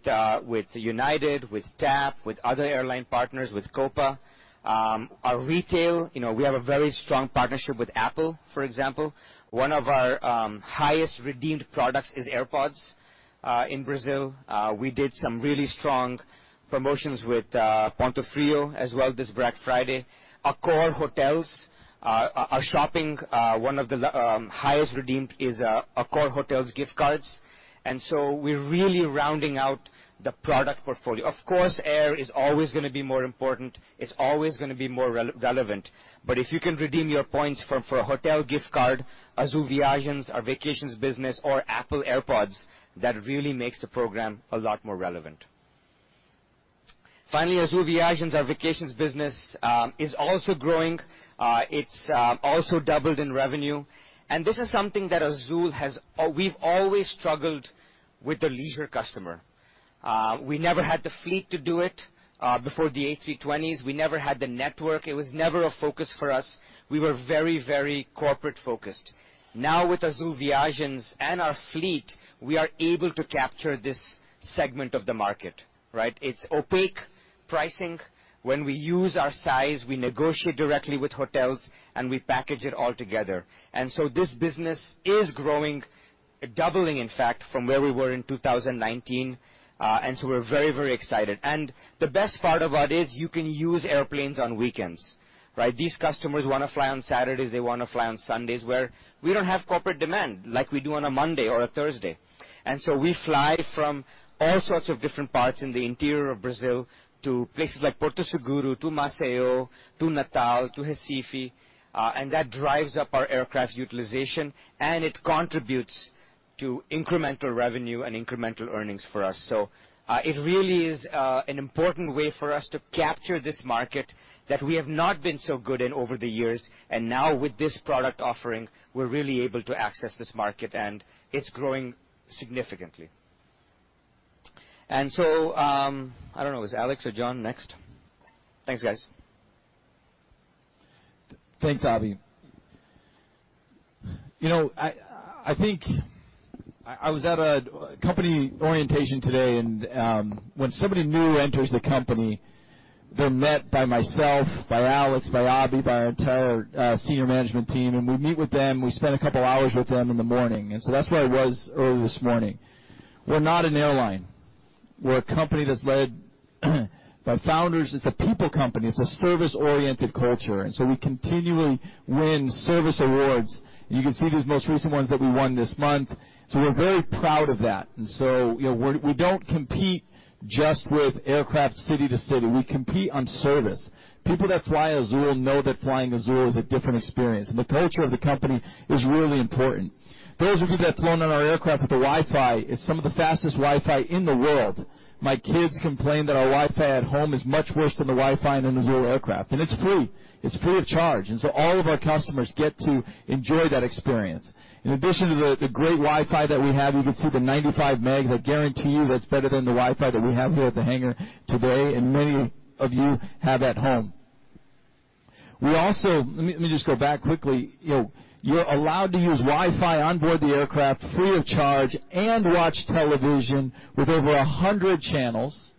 United, with TAP, with other airline partners, with Copa. Our retail, you know, we have a very strong partnership with Apple, for example. One of our highest redeemed products is AirPods in Brazil. We did some really strong promotions with Ponto Frio as well this Black Friday, Accor hotels. Our shopping, one of the highest redeemed is Accor hotels gift cards. We're really rounding out the product portfolio. Of course, air is always gonna be more important. It's always gonna be more relevant. If you can redeem your points for a hotel gift card, Azul Viagens, our vacations business, or Apple AirPods, that really makes the program a lot more relevant. Finally, Azul Viagens, our vacations business, is also growing. It's also doubled in revenue. This is something that we've always struggled with, the leisure customer. We never had the fleet to do it before the A320s. We never had the network. It was never a focus for us. We were very, very corporate focused. Now, with Azul Viagens and our fleet, we are able to capture this segment of the market, right? It's opaque pricing. When we use our size, we negotiate directly with hotels, and we package it all together. This business is growing, doubling, in fact, from where we were in 2019. We're very, very excited. The best part about it is you can use airplanes on weekends, right? These customers wanna fly on Saturdays, they wanna fly on Sundays, where we don't have corporate demand like we do on a Monday or a Thursday. We fly from all sorts of different parts in the interior of Brazil to places like Porto Seguro, to Maceió, to Natal, to Recife, and that drives up our aircraft utilization, and it contributes to incremental revenue and incremental earnings for us. It really is an important way for us to capture this market that we have not been so good in over the years. Now with this product offering, we're really able to access this market, and it's growing significantly. I don't know. Is Alex or John next? Thanks, guys. Thanks, Abhi. You know, I think I was at a company orientation today, and when somebody new enters the company, they're met by myself, by Alex, by Abhi, by our entire senior management team, and we meet with them. We spend a couple hours with them in the morning. That's where I was early this morning. We're not an airline. We're a company that's led by founders. It's a people company. It's a service-oriented culture, and we continually win service awards. You can see these most recent ones that we won this month, so we're very proud of that. You know, we don't compete just with aircraft, city to city. We compete on service. People that fly Azul know that flying Azul is a different experience, and the culture of the company is really important. Those of you that have flown on our aircraft with the Wi-Fi, it's some of the fastest Wi-Fi in the world. My kids complain that our Wi-Fi at home is much worse than the Wi-Fi in an Azul aircraft, and it's free. It's free of charge. All of our customers get to enjoy that experience. In addition to the great Wi-Fi that we have, you can see the 95 megs. I guarantee you that's better than the Wi-Fi that we have here at the hangar today and many of you have at home. Let me just go back quickly. You know, you're allowed to use Wi-Fi on board the aircraft free of charge and watch television with over 100 channels,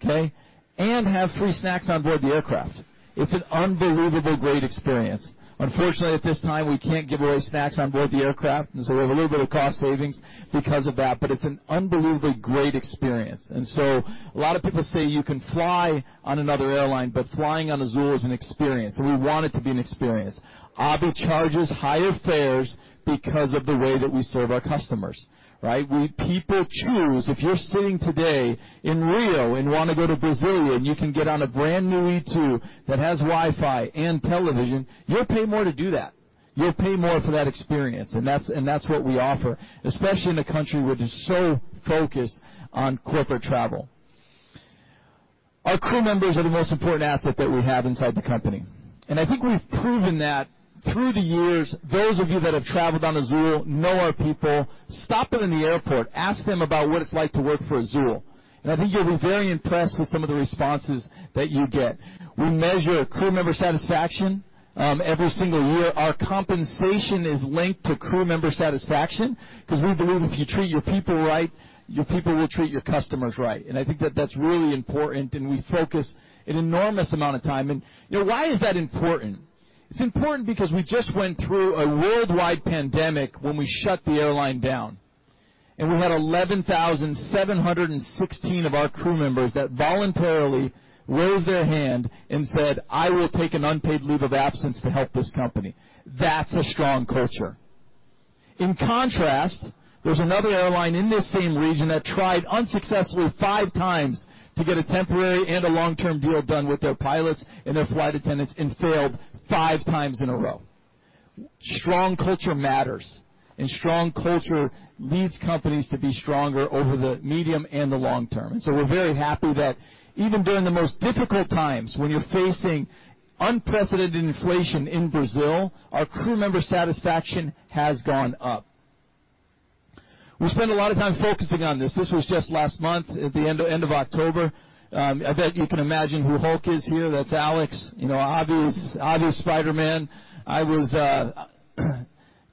okay? Have free snacks on board the aircraft. It's an unbelievably great experience. Unfortunately, at this time, we can't give away snacks on board the aircraft, and so we have a little bit of cost savings because of that. It's an unbelievably great experience. A lot of people say you can fly on another airline, but flying on Azul is an experience, and we want it to be an experience. Azul charges higher fares because of the way that we serve our customers, right? People choose. If you're sitting today in Rio and wanna go to Brasília, and you can get on a brand-new E2 that has Wi-Fi and television, you'll pay more to do that. You'll pay more for that experience, and that's what we offer, especially in a country which is so focused on corporate travel. Our crew members are the most important asset that we have inside the company, and I think we've proven that through the years. Those of you that have traveled on Azul know our people. Stop them in the airport. Ask them about what it's like to work for Azul. I think you'll be very impressed with some of the responses that you get. We measure crew member satisfaction every single year. Our compensation is linked to crew member satisfaction because we believe if you treat your people right, your people will treat your customers right. I think that that's really important, and we focus an enormous amount of time. You know, why is that important? It's important because we just went through a worldwide pandemic when we shut the airline down. We had 11,716 of our crew members that voluntarily raised their hand and said, "I will take an unpaid leave of absence to help this company." That's a strong culture. In contrast, there's another airline in this same region that tried unsuccessfully five times to get a temporary and a long-term deal done with their pilots and their flight attendants, and failed five times in a row. Strong culture matters, and strong culture leads companies to be stronger over the medium and the long term. We're very happy that even during the most difficult times, when you're facing unprecedented inflation in Brazil, our crew member satisfaction has gone up. We spend a lot of time focusing on this. This was just last month, at the end of October. I bet you can imagine who Hulk is here. That's Alex. You know, Abhi is obvious Spider-Man. I was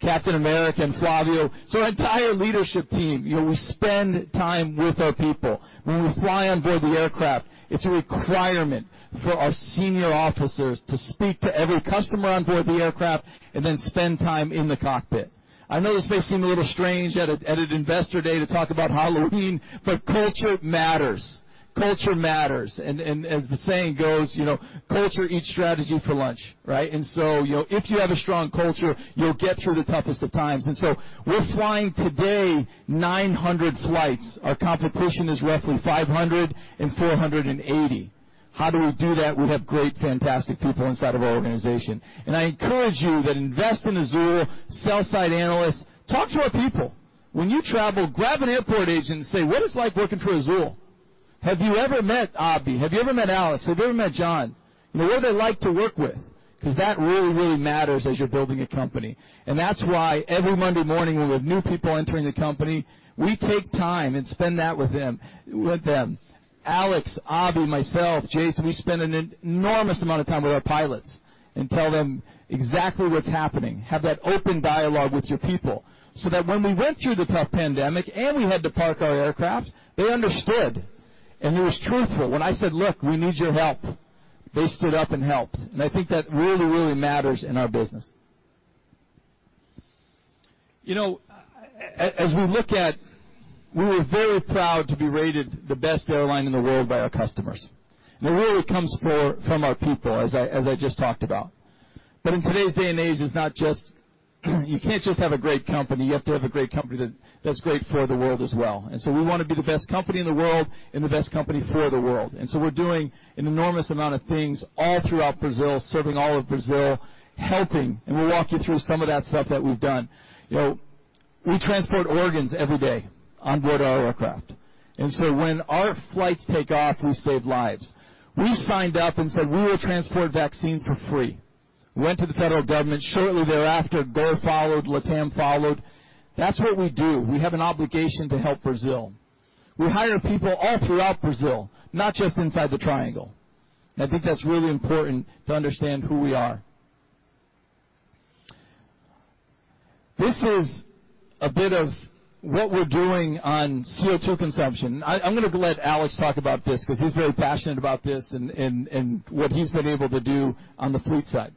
Captain America, and Flavio. Our entire leadership team, you know, we spend time with our people. When we fly on board the aircraft, it's a requirement for our senior officers to speak to every customer on board the aircraft and then spend time in the cockpit. I know this may seem a little strange at an investor day to talk about Halloween, but culture matters. Culture matters. As the saying goes, you know, "Culture eats strategy for lunch," right? If you have a strong culture, you'll get through the toughest of times. We're flying today 900 flights. Our competition is roughly 500 and 480. How do we do that? We have great, fantastic people inside of our organization. I encourage you that invest in Azul, sell-side analysts. Talk to our people. When you travel, grab an airport agent and say, "What is it like working for Azul? Have you ever met Abhi? Have you ever met Alex? Have you ever met John? You know, who they like to work with?" 'Cause that really, really matters as you're building a company. That's why every Monday morning, when we have new people entering the company, we take time and spend that with them. Alex, Abhi, myself, Jason, we spend an enormous amount of time with our pilots and tell them exactly what's happening. Have that open dialogue with your people, so that when we went through the tough pandemic and we had to park our aircraft, they understood, and it was truthful. When I said, "Look, we need your help," they stood up and helped. I think that really, really matters in our business. You know, we were very proud to be rated the best airline in the world by our customers. It really comes from our people, as I just talked about. In today's day and age, you can't just have a great company. You have to have a great company that's great for the world as well. We wanna be the best company in the world and the best company for the world. We're doing an enormous amount of things all throughout Brazil, serving all of Brazil, helping. We'll walk you through some of that stuff that we've done. You know, we transport organs every day on board our aircraft. When our flights take off, we save lives. We signed up and said, "We will transport vaccines for free." Went to the federal government. Shortly thereafter, GOL followed, LATAM followed. That's what we do. We have an obligation to help Brazil. We hire people all throughout Brazil, not just inside the triangle. I think that's really important to understand who we are. This is a bit of what we're doing on CO2 consumption. I'm gonna let Alex talk about this 'cause he's very passionate about this and what he's been able to do on the fleet side.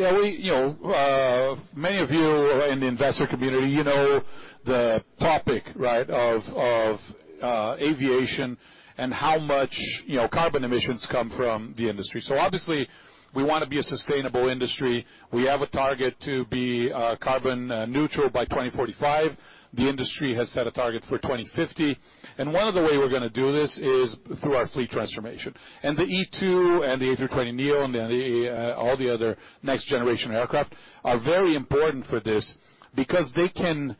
Yeah, you know, many of you in the investor community, you know the topic, right, of aviation and how much, you know, carbon emissions come from the industry. Obviously, we wanna be a sustainable industry. We have a target to be carbon neutral by 2045. The industry has set a target for 2050. One of the way we're gonna do this is through our fleet transformation. The E2 and the A320neo and the all the other next-generation aircraft are very important for this because they can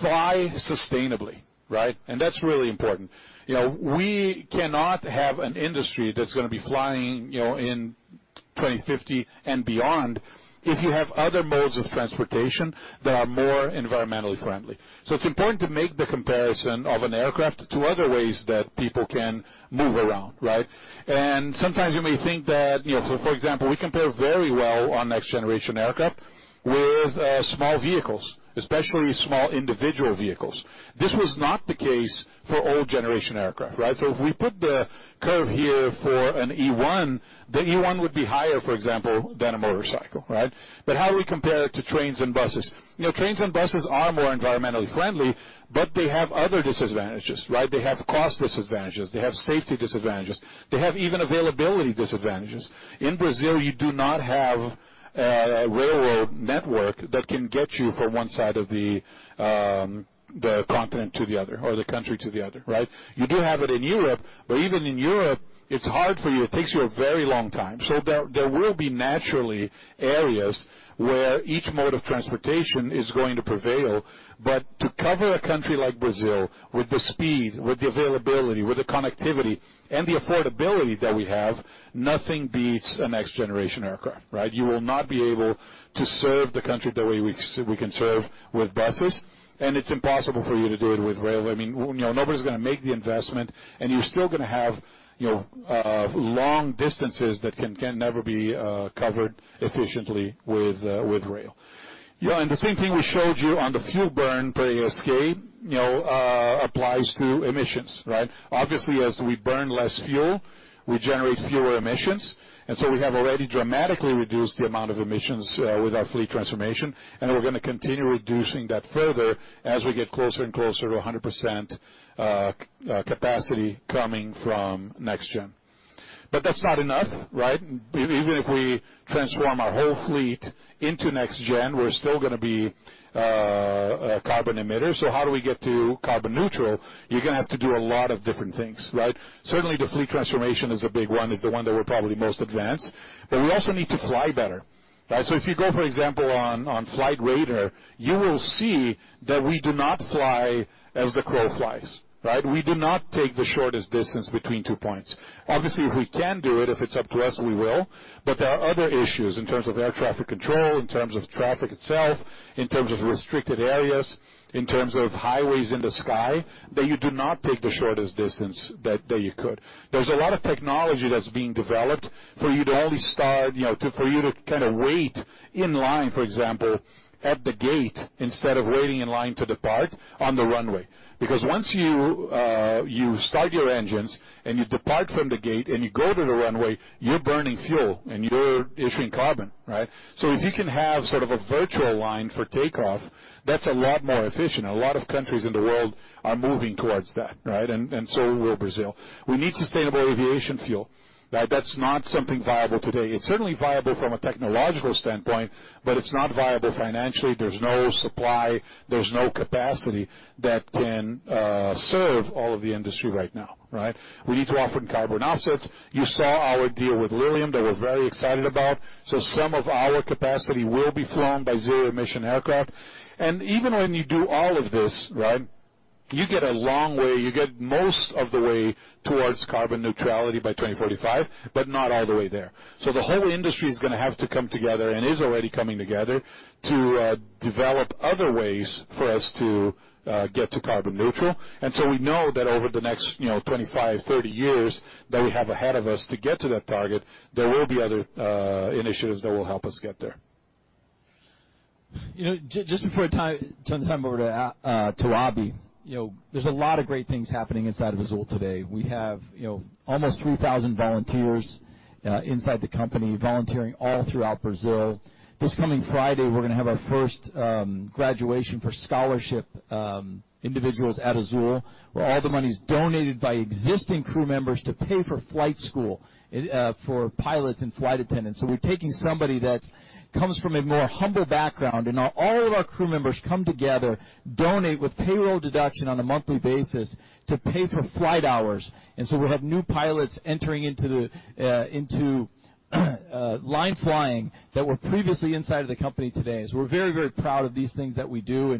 fly sustainably, right? That's really important. You know, we cannot have an industry that's gonna be flying, you know, in 2050 and beyond if you have other modes of transportation that are more environmentally friendly. It's important to make the comparison of an aircraft to other ways that people can move around, right? And sometimes you may think that, you know, for example, we compare very well on next-generation aircraft with small vehicles, especially small individual vehicles. This was not the case for old-generation aircraft, right? If we put the curve here for an E1, the E1 would be higher, for example, than a motorcycle, right? But how do we compare it to trains and buses? You know, trains and buses are more environmentally friendly, but they have other disadvantages, right? They have cost disadvantages. They have safety disadvantages. They have even availability disadvantages. In Brazil, you do not have a railroad network that can get you from one side of the continent to the other or the country to the other, right? You do have it in Europe, but even in Europe, it's hard for you. It takes you a very long time. There will be naturally areas where each mode of transportation is going to prevail. To cover a country like Brazil with the speed, with the availability, with the connectivity, and the affordability that we have, nothing beats a next-generation aircraft, right? You will not be able to serve the country the way we can serve with buses, and it's impossible for you to do it with rail. I mean, you know, nobody's gonna make the investment, and you're still gonna have, you know, long distances that can never be covered efficiently with rail. Yeah, and the same thing we showed you on the fuel burn per ASK, you know, applies to emissions, right? Obviously, as we burn less fuel, we generate fewer emissions. We have already dramatically reduced the amount of emissions with our fleet transformation, and we're gonna continue reducing that further as we get closer and closer to 100% capacity coming from next-gen. That's not enough, right? Even if we transform our whole fleet into next-gen, we're still gonna be carbon emitters. How do we get to carbon neutral? You're gonna have to do a lot of different things, right? Certainly, the fleet transformation is a big one. It's the one that we're probably most advanced, but we also need to fly better, right? If you go, for example, on Flightradar24, you will see that we do not fly as the crow flies, right? We do not take the shortest distance between two points. Obviously, if we can do it, if it's up to us, we will. There are other issues in terms of air traffic control, in terms of traffic itself, in terms of restricted areas, in terms of highways in the sky, that you do not take the shortest distance that you could. There's a lot of technology that's being developed. You know, for you to kinda wait in line, for example, at the gate instead of waiting in line to depart on the runway. Because once you start your engines and you depart from the gate and you go to the runway, you're burning fuel and you're issuing carbon, right? If you can have sort of a virtual line for takeoff, that's a lot more efficient. A lot of countries in the world are moving towards that, right? Brazil will. We need sustainable aviation fuel. That's not something viable today. It's certainly viable from a technological standpoint, but it's not viable financially. There's no supply, there's no capacity that can serve all of the industry right now, right? We need to offer carbon offsets. You saw our deal with Lilium that we're very excited about. Some of our capacity will be flown by zero-emission aircraft. Even when you do all of this, right, you get a long way, you get most of the way towards carbon neutrality by 2045, but not all the way there. The whole industry is gonna have to come together, and is already coming together to develop other ways for us to get to carbon neutral. We know that over the next, you know, 25, 30 years that we have ahead of us to get to that target, there will be other initiatives that will help us get there. You know, just before I turn the time over to Abhi, you know, there's a lot of great things happening inside of Azul today. We have, you know, almost 3,000 volunteers inside the company volunteering all throughout Brazil. This coming Friday, we're gonna have our first graduation for scholarship individuals at Azul, where all the money is donated by existing crew members to pay for flight school for pilots and flight attendants. We're taking somebody that's comes from a more humble background, and all of our crew members come together, donate with payroll deduction on a monthly basis to pay for flight hours. We'll have new pilots entering into the line flying that were previously inside of the company today. We're very, very proud of these things that we do.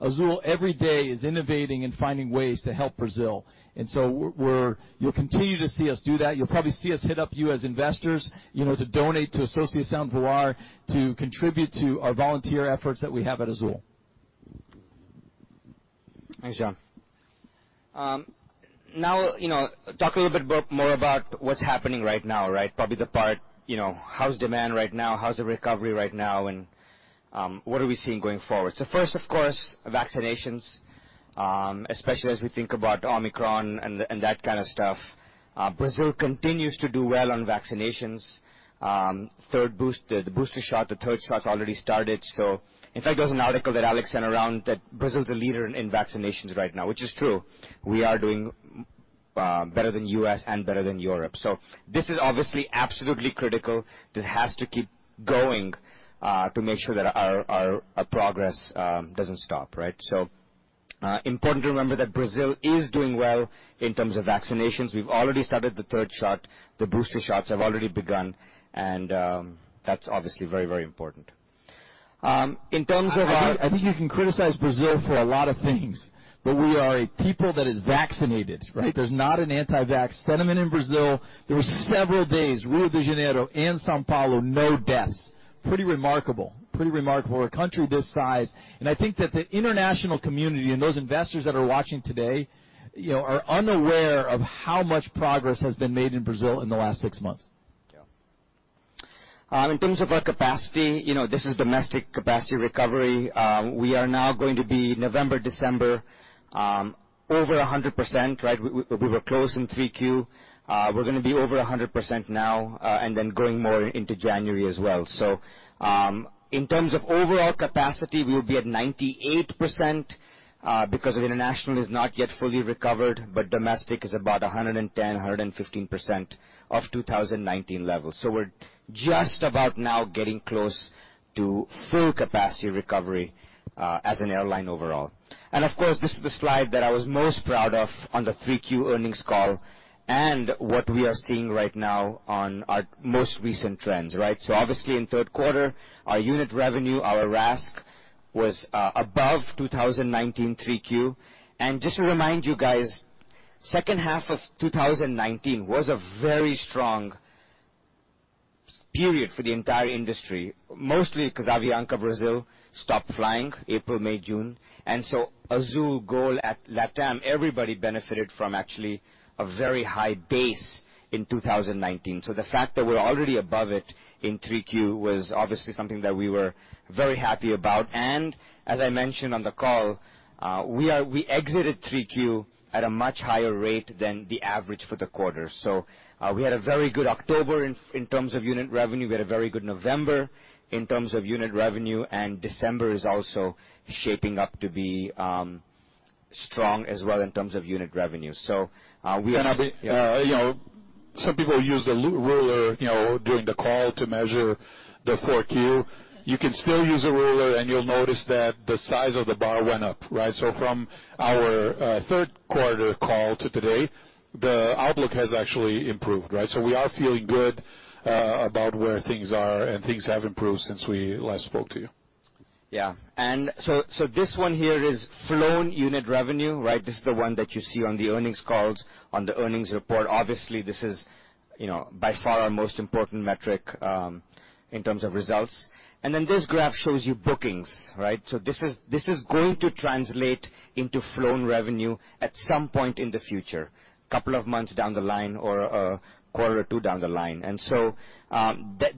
Azul every day is innovating and finding ways to help Brazil. You'll continue to see us do that. You'll probably see us hit you up as investors, you know, to donate to Associação Voar, to contribute to our volunteer efforts that we have at Azul. Thanks, John. Now, you know, talk a little bit more about what's happening right now, right? Probably the part, you know, how's demand right now, how's the recovery right now, and what are we seeing going forward? First, of course, vaccinations, especially as we think about Omicron and that kind of stuff. Brazil continues to do well on vaccinations. The third booster shot, the third shot has already started. In fact, there was an article that Alex sent around that Brazil is a leader in vaccinations right now, which is true. We are doing better than U.S. and better than Europe. This is obviously absolutely critical. This has to keep going to make sure that our progress doesn't stop, right? Important to remember that Brazil is doing well in terms of vaccinations. We've already started the third shot. The booster shots have already begun, and that's obviously very, very important. In terms of our- I think you can criticize Brazil for a lot of things, but we are a people that is vaccinated, right? There's not an anti-vax sentiment in Brazil. There were several days, Rio de Janeiro and São Paulo, no deaths. Pretty remarkable. Pretty remarkable for a country this size. I think that the international community and those investors that are watching today, you know, are unaware of how much progress has been made in Brazil in the last six months. Yeah. In terms of our capacity, you know, this is domestic capacity recovery. We are now going to be November, December, over 100%, right? We were close in 3Q. We're gonna be over 100% now, and then growing more into January as well. In terms of overall capacity, we'll be at 98%, because international is not yet fully recovered, but domestic is about 110%, 115% of 2019 levels. We're just about now getting close to full capacity recovery, as an airline overall. Of course, this is the slide that I was most proud of on the 3Q earnings call and what we are seeing right now on our most recent trends, right? Obviously in third quarter, our unit revenue, our RASK was above 2019 3Q. Just to remind you guys, second half of 2019 was a very strong period for the entire industry, mostly 'cause Avianca Brazil stopped flying April, May, June. Azul, GOL, LATAM, everybody benefited from actually a very high base in 2019. The fact that we're already above it in 3Q was obviously something that we were very happy about. As I mentioned on the call, we exited 3Q at a much higher rate than the average for the quarter. We had a very good October in terms of unit revenue. We had a very good November in terms of unit revenue, and December is also shaping up to be strong as well in terms of unit revenue. Can I be- Yeah. You know, some people use the ruler, you know, during the call to measure the 4Q. You can still use a ruler, and you'll notice that the size of the bar went up, right? From our third quarter call to today, the outlook has actually improved, right? We are feeling good about where things are, and things have improved since we last spoke to you. Yeah. This one here is flown unit revenue, right? This is the one that you see on the earnings calls, on the earnings report. Obviously, this is, you know, by far our most important metric in terms of results. This graph shows you bookings, right? This is going to translate into flown revenue at some point in the future, couple of months down the line or a quarter or two down the line.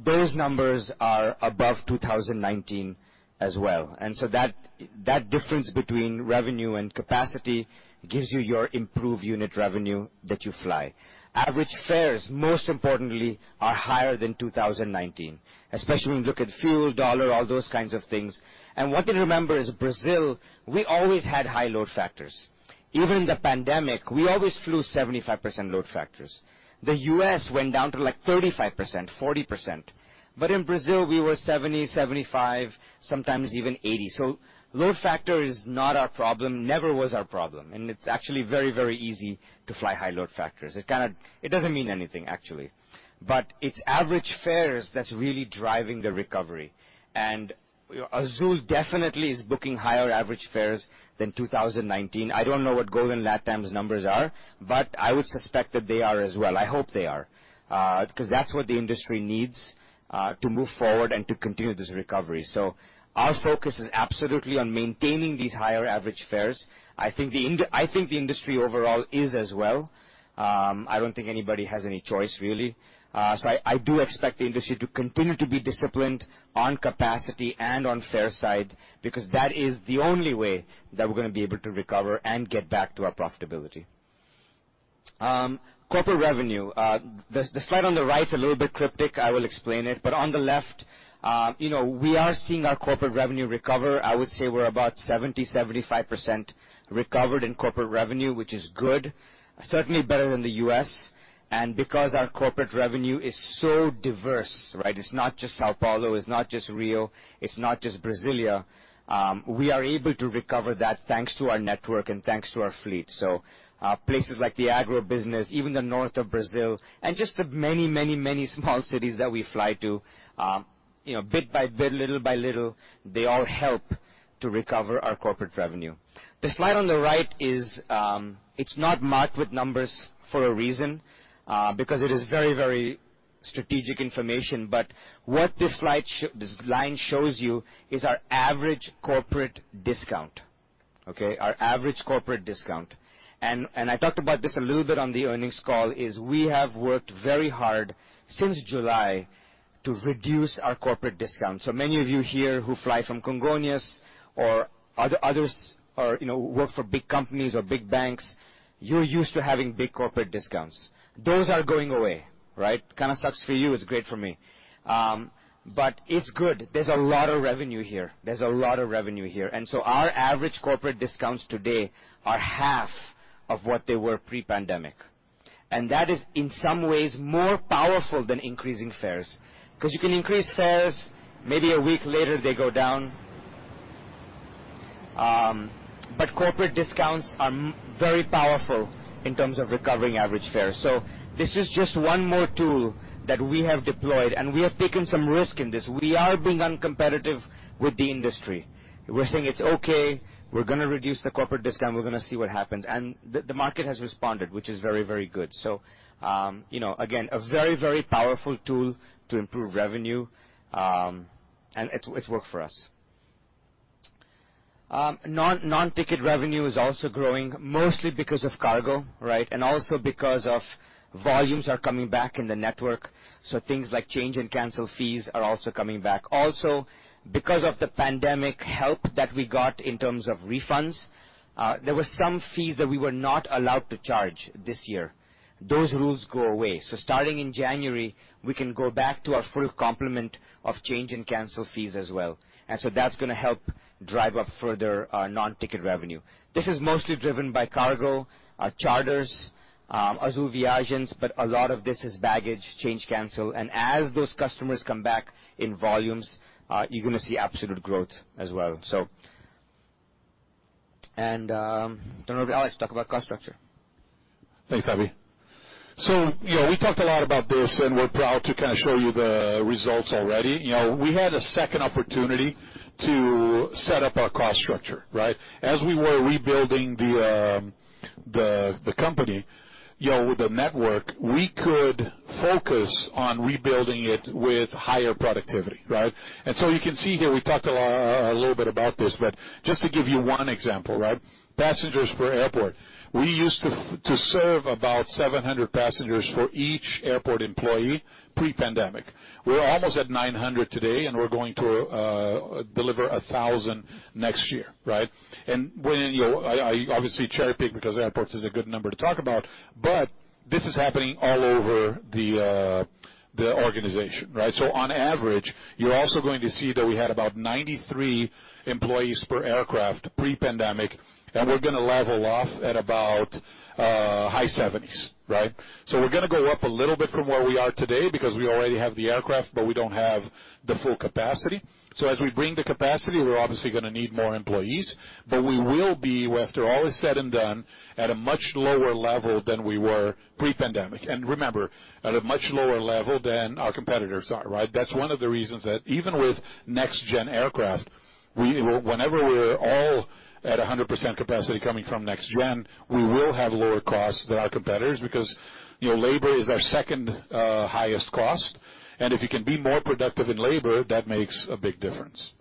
Those numbers are above 2019 as well. That difference between revenue and capacity gives you your improved unit revenue that you fly. Average fares, most importantly, are higher than 2019, especially when you look at fuel, dollar, all those kinds of things. What to remember is Brazil, we always had high load factors. Even in the pandemic, we always flew 75% load factors. The U.S. went down to like 35%, 40%. In Brazil, we were 75%, sometimes even 80%. Load factor is not our problem, never was our problem, and it's actually very, very easy to fly high load factors. It doesn't mean anything actually. It's average fares that's really driving the recovery. Azul definitely is booking higher average fares than 2019. I don't know what GOL and LATAM's numbers are, but I would suspect that they are as well. I hope they are, 'cause that's what the industry needs, to move forward and to continue this recovery. Our focus is absolutely on maintaining these higher average fares. I think the industry overall is as well. I don't think anybody has any choice, really. I do expect the industry to continue to be disciplined on capacity and on fare side because that is the only way that we're gonna be able to recover and get back to our profitability. Corporate revenue. The slide on the right is a little bit cryptic. I will explain it. On the left, you know, we are seeing our corporate revenue recover. I would say we're about 70%-75% recovered in corporate revenue, which is good. Certainly better than the U.S. Because our corporate revenue is so diverse, right? It's not just São Paulo, it's not just Rio, it's not just Brasília, we are able to recover that thanks to our network and thanks to our fleet. Places like the agro business, even the north of Brazil, and just the many small cities that we fly to, you know, bit by bit, little by little, they all help to recover our corporate revenue. The slide on the right is, it's not marked with numbers for a reason, because it is very strategic information. What this slide this line shows you is our average corporate discount, okay? Our average corporate discount. I talked about this a little bit on the earnings call, is we have worked very hard since July to reduce our corporate discount. Many of you here who fly from Congonhas or others or, you know, work for big companies or big banks, you're used to having big corporate discounts. Those are going away, right? Kinda sucks for you, it's great for me. It's good. There's a lot of revenue here. Our average corporate discounts today are half of what they were pre-pandemic. That is, in some ways, more powerful than increasing fares. 'Cause you can increase fares, maybe a week later, they go down. Corporate discounts are very powerful in terms of recovering average fares. This is just one more tool that we have deployed, and we have taken some risk in this. We are being uncompetitive with the industry. We're saying it's okay, we're gonna reduce the corporate discount, we're gonna see what happens. The market has responded, which is very, very good. You know, again, a very, very powerful tool to improve revenue, and it's worked for us. Non-ticket revenue is also growing mostly because of cargo, right? Volumes are coming back in the network, so things like change and cancel fees are also coming back. Because of the pandemic help that we got in terms of refunds, there were some fees that we were not allowed to charge this year. Those rules go away. Starting in January, we can go back to our full complement of change and cancel fees as well. That's gonna help drive up further our non-ticket revenue. This is mostly driven by cargo, charters, Azul Viagens, but a lot of this is baggage change, cancel. As those customers come back in volumes, you're gonna see absolute growth as well. I'll let Alex talk about cost structure. Thanks, Abhi. You know, we talked a lot about this, and we're proud to kinda show you the results already. You know, we had a second opportunity to set up our cost structure, right? As we were rebuilding the company, you know, with the network, we could focus on rebuilding it with higher productivity, right? You can see here, we talked a little bit about this, but just to give you one example, right? Passengers per airport. We used to serve about 700 passengers for each airport employee pre-pandemic. We're almost at 900 today, and we're going to deliver 1,000 next year, right? You know, obviously cherry-pick because airports is a good number to talk about, but this is happening all over the organization, right? On average, you're also going to see that we had about 93 employees per aircraft pre-pandemic, and we're gonna level off at about high 70s, right? We're gonna go up a little bit from where we are today because we already have the aircraft, but we don't have the full capacity. As we bring the capacity, we're obviously gonna need more employees. We will be, after all is said and done, at a much lower level than we were pre-pandemic. Remember, at a much lower level than our competitors are, right? That's one of the reasons that even with next-gen aircraft, whenever we're all at 100% capacity coming from next gen, we will have lower costs than our competitors because, you know, labor is our second-highest cost. If you can be more productive in labor, that makes a big difference.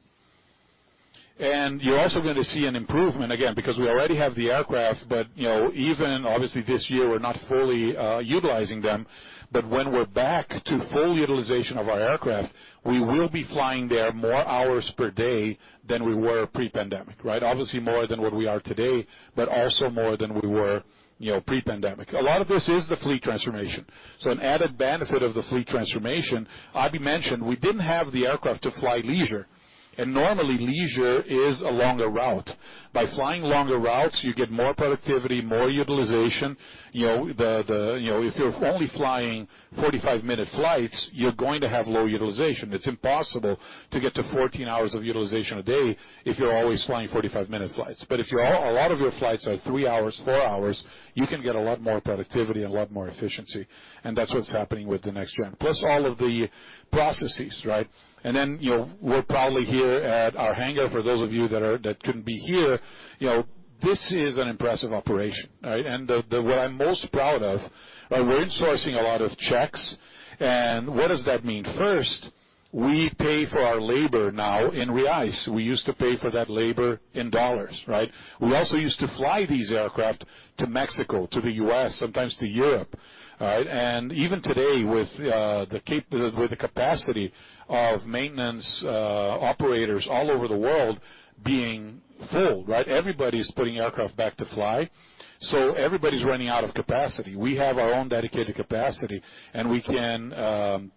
You're also going to see an improvement, again, because we already have the aircraft, but you know, even obviously this year, we're not fully utilizing them, but when we're back to full utilization of our aircraft, we will be flying them more hours per day than we were pre-pandemic, right? Obviously, more than what we are today, but also more than we were, you know, pre-pandemic. A lot of this is the fleet transformation. An added benefit of the fleet transformation, Abhi mentioned we didn't have the aircraft to fly leisure, and normally leisure is a longer route. By flying longer routes, you get more productivity, more utilization. You know, the you know, if you're only flying 45-minute flights, you're going to have low utilization. It's impossible to get to 14 hours of utilization a day if you're always flying 45-minute flights. If a lot of your flights are three hours, four hours, you can get a lot more productivity and a lot more efficiency. That's what's happening with the next gen. Plus all of the processes, right? Then, you know, we're probably here at our hangar for those of you that couldn't be here. You know, this is an impressive operation, right? What I'm most proud of, right, we're insourcing a lot of checks. What does that mean? First, we pay for our labor now in reais. We used to pay for that labor in dollars, right? We also used to fly these aircraft to Mexico, to the U.S., sometimes to Europe, all right? Even today, with the capacity of maintenance operators all over the world being full, right? Everybody's putting aircraft back to fly. Everybody's running out of capacity. We have our own dedicated capacity, and we can,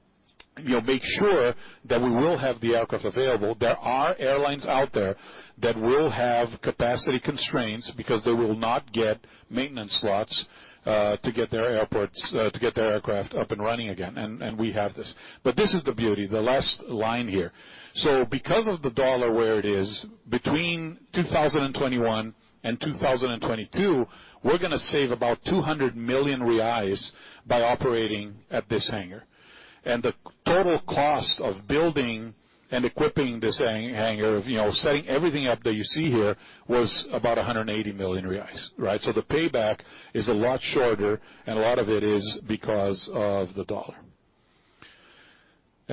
you know, make sure that we will have the aircraft available. There are airlines out there that will have capacity constraints because they will not get maintenance slots to get their aircraft up and running again. We have this. This is the beauty, the last line here. Because of the dollar where it is, between 2021 and 2022, we're gonna save about 200 million reais by operating at this hangar. The total cost of building and equipping this hangar, you know, setting everything up that you see here, was about 180 million reais, right? The payback is a lot shorter, and a lot of it is because of the dollar.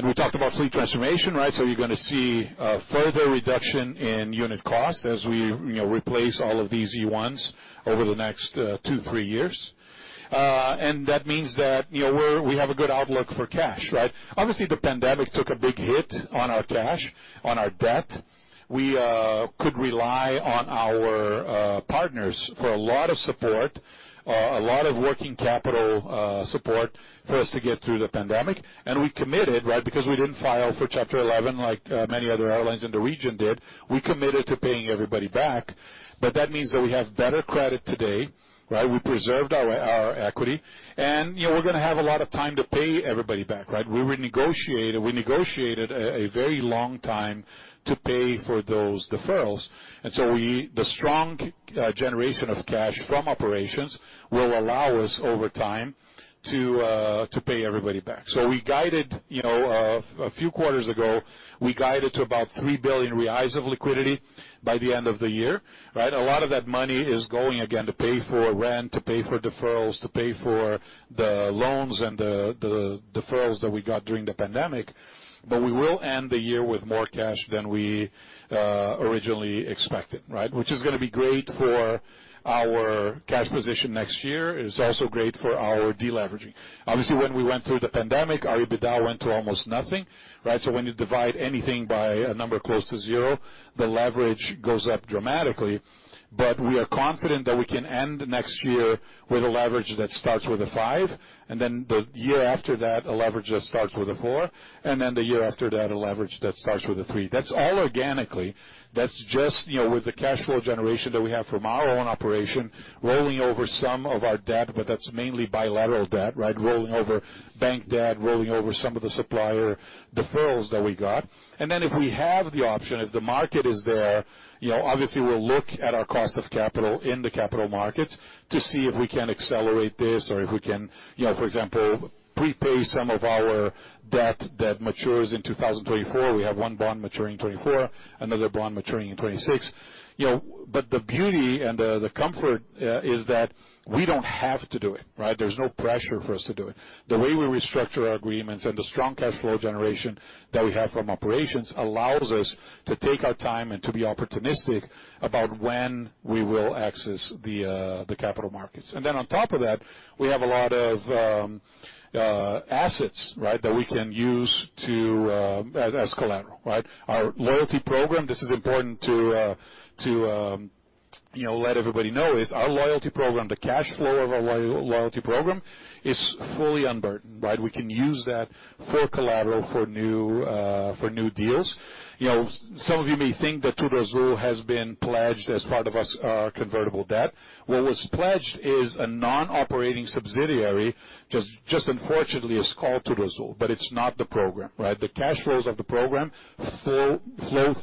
We talked about fleet transformation, right? You're gonna see a further reduction in unit costs as we, you know, replace all of these E1s over the next two, three years. That means that, you know, we have a good outlook for cash, right? Obviously, the pandemic took a big hit on our cash, on our debt. We could rely on our partners for a lot of support, a lot of working capital support for us to get through the pandemic. We committed, right, because we didn't file for Chapter 11 like many other airlines in the region did. We committed to paying everybody back, but that means that we have better credit today, right? We preserved our equity, and, you know, we're gonna have a lot of time to pay everybody back, right? We negotiated a very long time to pay for those deferrals. The strong generation of cash from operations will allow us over time to pay everybody back. We guided, you know, a few quarters ago, we guided to about 3 billion reais of liquidity by the end of the year, right? A lot of that money is going again to pay for rent, to pay for deferrals, to pay for the loans and the deferrals that we got during the pandemic. We will end the year with more cash than we originally expected, right? Which is gonna be great for our cash position next year. It's also great for our deleveraging. Obviously, when we went through the pandemic, our EBITDA went to almost nothing, right? So when you divide anything by a number close to zero, the leverage goes up dramatically. We are confident that we can end next year with a leverage that starts with a five, and then the year after that, a leverage that starts with a four, and then the year after that, a leverage that starts with a three. That's all organically. That's just, you know, with the cash flow generation that we have from our own operation, rolling over some of our debt, but that's mainly bilateral debt, right? Rolling over bank debt, rolling over some of the supplier deferrals that we got. If we have the option, if the market is there, you know, obviously, we'll look at our cost of capital in the capital markets to see if we can accelerate this or if we can, you know, for example, prepay some of our debt that matures in 2024. We have one bond maturing in 2024, another bond maturing in 2026. You know, but the beauty and the comfort is that we don't have to do it, right? There's no pressure for us to do it. The way we restructure our agreements and the strong cash flow generation that we have from operations allows us to take our time and to be opportunistic about when we will access the capital markets. Then on top of that, we have a lot of assets, right, that we can use as collateral, right? Our loyalty program, this is important. You know, let everybody know is our loyalty program, the cash flow of our loyalty program is fully unburdened, right? We can use that for collateral for new deals. You know, some of you may think that TudoAzul has been pledged as part of our convertible debt. What was pledged is a non-operating subsidiary, just unfortunately is called TudoAzul, but it's not the program, right? The cash flows of the program flow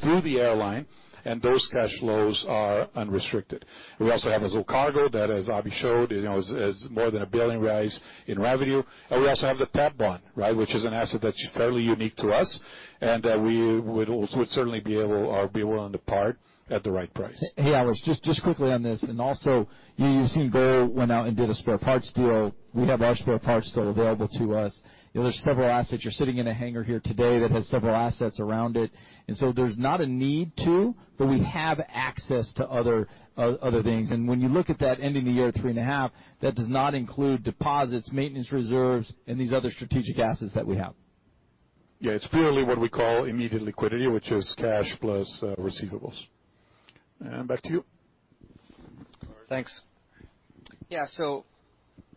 through the airline, and those cash flows are unrestricted. We also have Azul Cargo that, as Abhi showed, you know, is more than 1 billion reais in revenue. We also have the TAP bond, right, which is an asset that's fairly unique to us, and we would certainly be able or be willing to part at the right price. Hey, Alex, just quickly on this, and also you've seen GOL went out and did a spare parts deal. We have our spare parts that are available to us. You know, there's several assets. You're sitting in a hangar here today that has several assets around it. There's not a need to, but we have access to other things. When you look at that ending the year $3.5, that does not include deposits, maintenance reserves, and these other strategic assets that we have. Yeah. It's purely what we call immediate liquidity, which is cash plus receivables. Back to you. All right. Thanks. Yeah.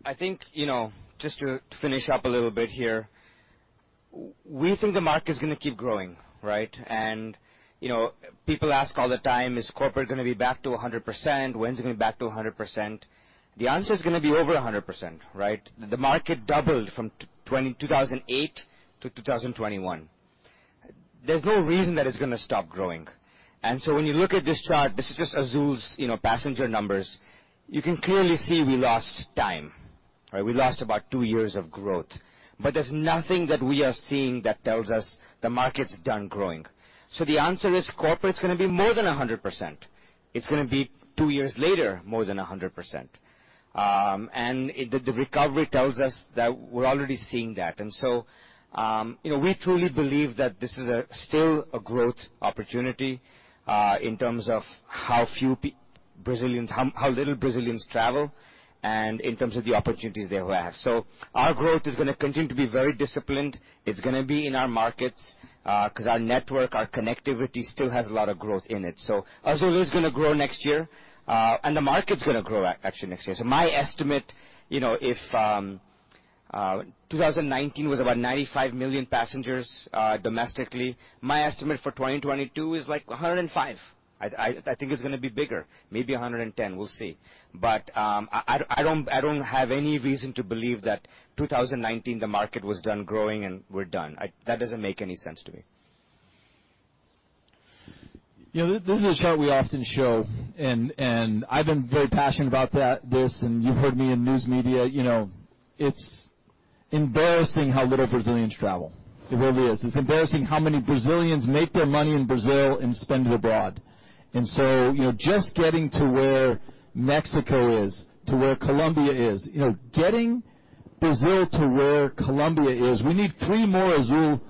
I think, you know, just to finish up a little bit here, we think the market is gonna keep growing, right? You know, people ask all the time, "Is corporate gonna be back to 100%? When's it gonna be back to 100%?" The answer is gonna be over 100%, right? The market doubled from 2008 to 2021. There's no reason that it's gonna stop growing. When you look at this chart, this is just Azul's, you know, passenger numbers. You can clearly see we lost time, right? We lost about two years of growth. There's nothing that we are seeing that tells us the market's done growing. The answer is corporate's gonna be more than 100%. It's gonna be two years later, more than 100%. The recovery tells us that we're already seeing that. You know, we truly believe that this is still a growth opportunity in terms of how little Brazilians travel and in terms of the opportunities they will have. Our growth is gonna continue to be very disciplined. It's gonna be in our markets because our network, our connectivity still has a lot of growth in it. Azul is gonna grow next year, and the market's gonna grow actually next year. My estimate, you know, if 2019 was about 95 million passengers domestically, my estimate for 2022 is, like, 105 million. I think it's gonna be bigger, maybe 110. We'll see. I don't have any reason to believe that 2019, the market was done growing and we're done. That doesn't make any sense to me. You know, this is a chart we often show, and I've been very passionate about that this, and you've heard me in news media. You know, it's embarrassing how little Brazilians travel. It really is. It's embarrassing how many Brazilians make their money in Brazil and spend it abroad. You know, just getting to where Mexico is, to where Colombia is, you know, getting Brazil to where Colombia is, we need three more Azul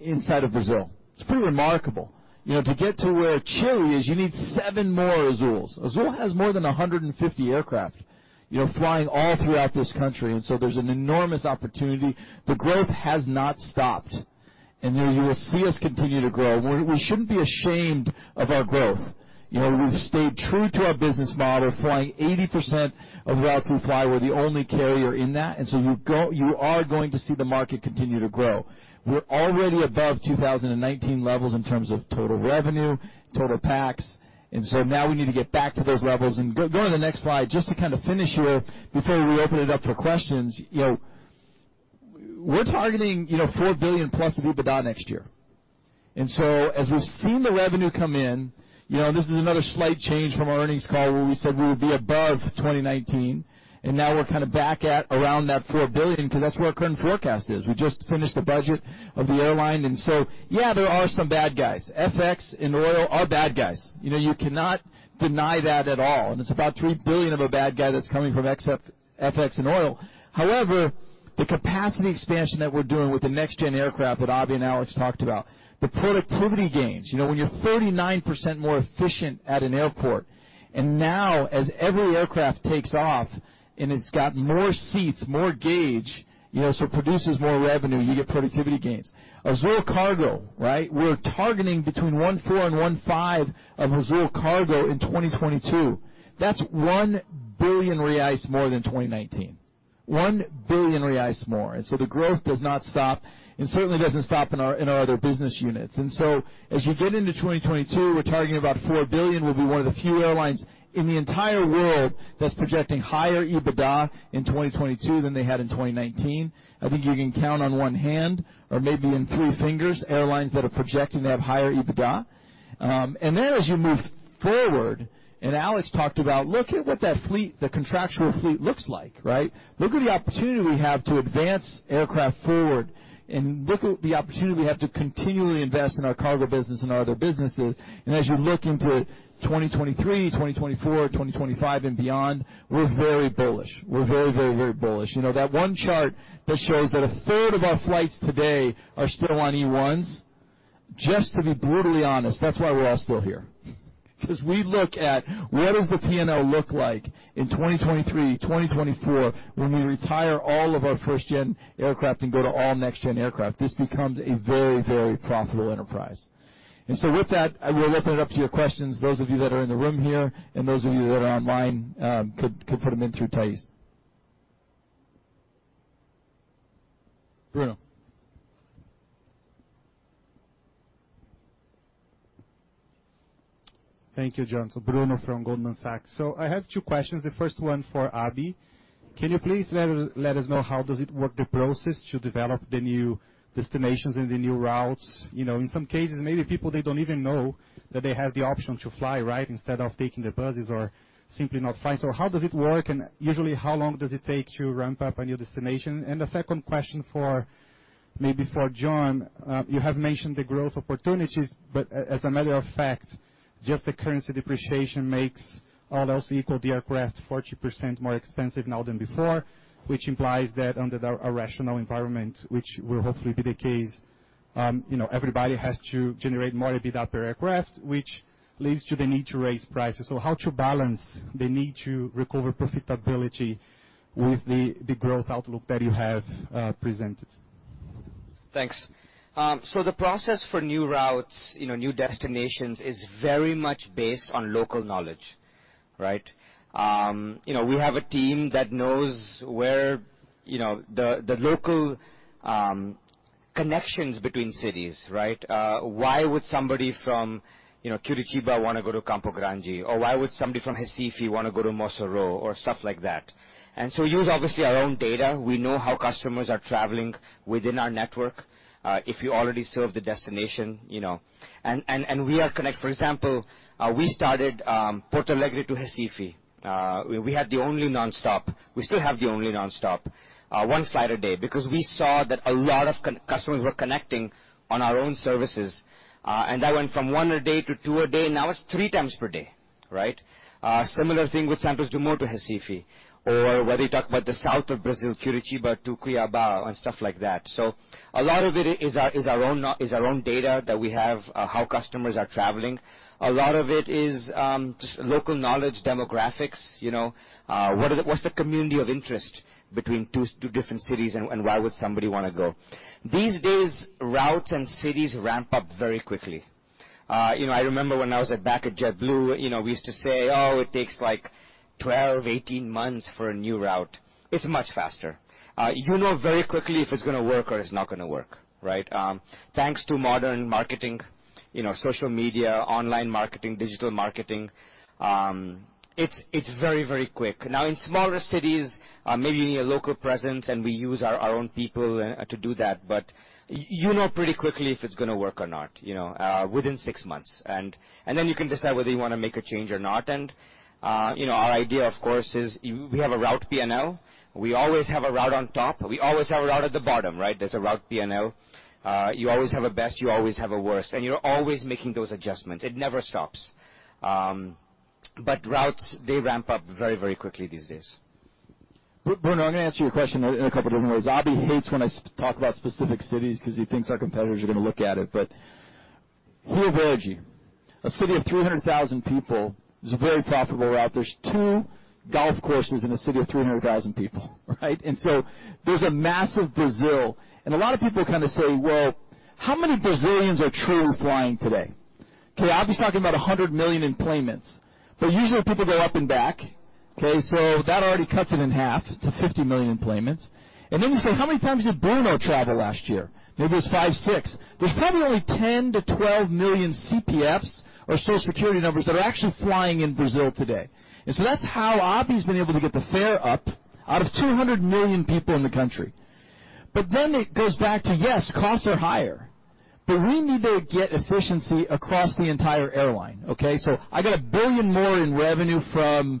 inside of Brazil. It's pretty remarkable. You know, to get to where Chile is, you need seven more Azuls. Azul has more than 150 aircraft, you know, flying all throughout this country, and so there's an enormous opportunity. The growth has not stopped, and you will see us continue to grow. We shouldn't be ashamed of our growth. You know, we've stayed true to our business model, flying 80% of routes we fly. We're the only carrier in that. You are going to see the market continue to grow. We're already above 2019 levels in terms of total revenue, total PAX, and so now we need to get back to those levels. Go to the next slide, just to kind of finish here before we open it up for questions. You know, we're targeting, you know, 4 billion+ of EBITDA next year. As we've seen the revenue come in, you know, this is another slight change from our earnings call where we said we would be above 2019, and now we're kind of back at around 4 billion because that's where our current forecast is. We just finished the budget of the airline. Yeah, there are some bad guys. FX and oil are bad guys. You know, you cannot deny that at all. It's about 3 billion of a bad guy that's coming from FX and oil. However, the capacity expansion that we're doing with the next-gen aircraft that Abhi and Alex talked about, the productivity gains, you know, when you're 39% more efficient at an airport, and now as every aircraft takes off and it's got more seats, more gauge, you know, so produces more revenue, you get productivity gains. Azul Cargo, right? We're targeting 1.4 billion-1.5 billion of Azul Cargo in 2022. That's 1 billion reais more than 2019. The growth does not stop, and certainly doesn't stop in our other business units. As you get into 2022, we're targeting about 4 billion. We'll be one of the few airlines in the entire world that's projecting higher EBITDA in 2022 than they had in 2019. I think you can count on one hand or maybe in three fingers airlines that are projecting to have higher EBITDA. Then as you move forward, and Alex talked about, look at what that fleet, the contractual fleet looks like, right? Look at the opportunity we have to advance aircraft forward and look at the opportunity we have to continually invest in our cargo business and our other businesses. As you look into 2023, 2024, 2025 and beyond, we're very bullish. We're very, very, very bullish. You know, that one chart that shows that a third of our flights today are still on E1s. Just to be brutally honest, that's why we're all still here. 'Cause we look at what does the P&L look like in 2023, 2024 when we retire all of our first-gen aircraft and go to all next-gen aircraft. This becomes a very, very profitable enterprise. With that, I will open it up to your questions, those of you that are in the room here and those of you that are online could put them in through Thais, Bruno. Thank you, John. Bruno from Goldman Sachs. I have two questions. The first one for Abhi. Can you please let us know how does it work the process to develop the new destinations and the new routes? You know, in some cases, maybe people, they don't even know that they have the option to fly, right? Instead of taking the buses or simply not flying. How does it work? And usually, how long does it take to ramp up a new destination? And the second question for... Maybe for John, you have mentioned the growth opportunities, but as a matter of fact, just the currency depreciation makes all else equal the aircraft 40% more expensive now than before, which implies that under the rational environment, which will hopefully be the case, everybody has to generate more EBITDA per aircraft, which leads to the need to raise prices. How to balance the need to recover profitability with the growth outlook that you have presented? Thanks. The process for new routes, you know, new destinations is very much based on local knowledge, right? You know, we have a team that knows where, you know, the local connections between cities, right? Why would somebody from, you know, Curitiba wanna go to Campo Grande? Or why would somebody from Recife wanna go to Mossoró or stuff like that. We use obviously our own data. We know how customers are traveling within our network, if you already serve the destination, you know. For example, we started Porto Alegre to Recife. We had the only nonstop. We still have the only nonstop, one flight a day because we saw that a lot of customers were connecting on our own services. That went from one a day to two a day, now it's three times per day, right? Similar thing with Santos Dumont to Recife or whether you talk about the south of Brazil, Curitiba to Cuiabá and stuff like that. A lot of it is our own data that we have, how customers are traveling. A lot of it is just local knowledge, demographics, you know. What's the community of interest between two different cities and why would somebody wanna go? These days, routes and cities ramp up very quickly. You know, I remember when I was back at JetBlue, you know, we used to say, "Oh, it takes like 12, 18 months for a new route." It's much faster. You know very quickly if it's gonna work or it's not gonna work, right? Thanks to modern marketing, you know, social media, online marketing, digital marketing, it's very, very quick. Now, in smaller cities, maybe you need a local presence, and we use our own people to do that. You know pretty quickly if it's gonna work or not, you know, within six months. Our idea, of course, is we have a route P&L. We always have a route on top. We always have a route at the bottom, right? There's a route P&L. You always have a best, you always have a worst, and you're always making those adjustments. It never stops. Routes, they ramp up very, very quickly these days. Bruno, I'm gonna answer your question in a couple different ways. Abhi hates when I talk about specific cities 'cause he thinks our competitors are gonna look at it. Rio Verde, a city of 300,000 people, is a very profitable route. There's two golf courses in a city of 300,000 people, right? There's a massive Brazil, and a lot of people kinda say, "Well, how many Brazilians are truly flying today?" Okay, Abhi's talking about 100 million enplanements. Usually people go up and back, okay? That already cuts it in half to 50 million enplanements. Then you say, how many times did Bruno travel last year? Maybe it was five, six. There's probably only 10 million to 12 million CPFs or Social Security numbers that are actually flying in Brazil today. That's how Abhi's been able to get the fare up out of 200 million people in the country. It goes back to, yes, costs are higher, but we need to get efficiency across the entire airline, okay? I got 1 billion more in revenue from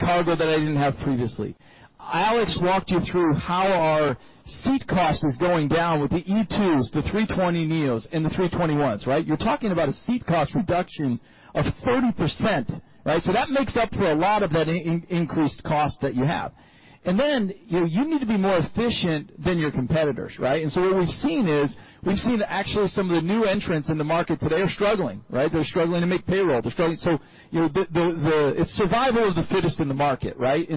cargo that I didn't have previously. Alex walked you through how our seat cost is going down with the E2s, the 320 NEOs and the 321s, right? You're talking about a seat cost reduction of 30%, right? That makes up for a lot of that increased cost that you have. You know, you need to be more efficient than your competitors, right? What we've seen is actually some of the new entrants in the market today are struggling, right? They're struggling to make payroll. They're struggling. You know, it's survival of the fittest in the market, right?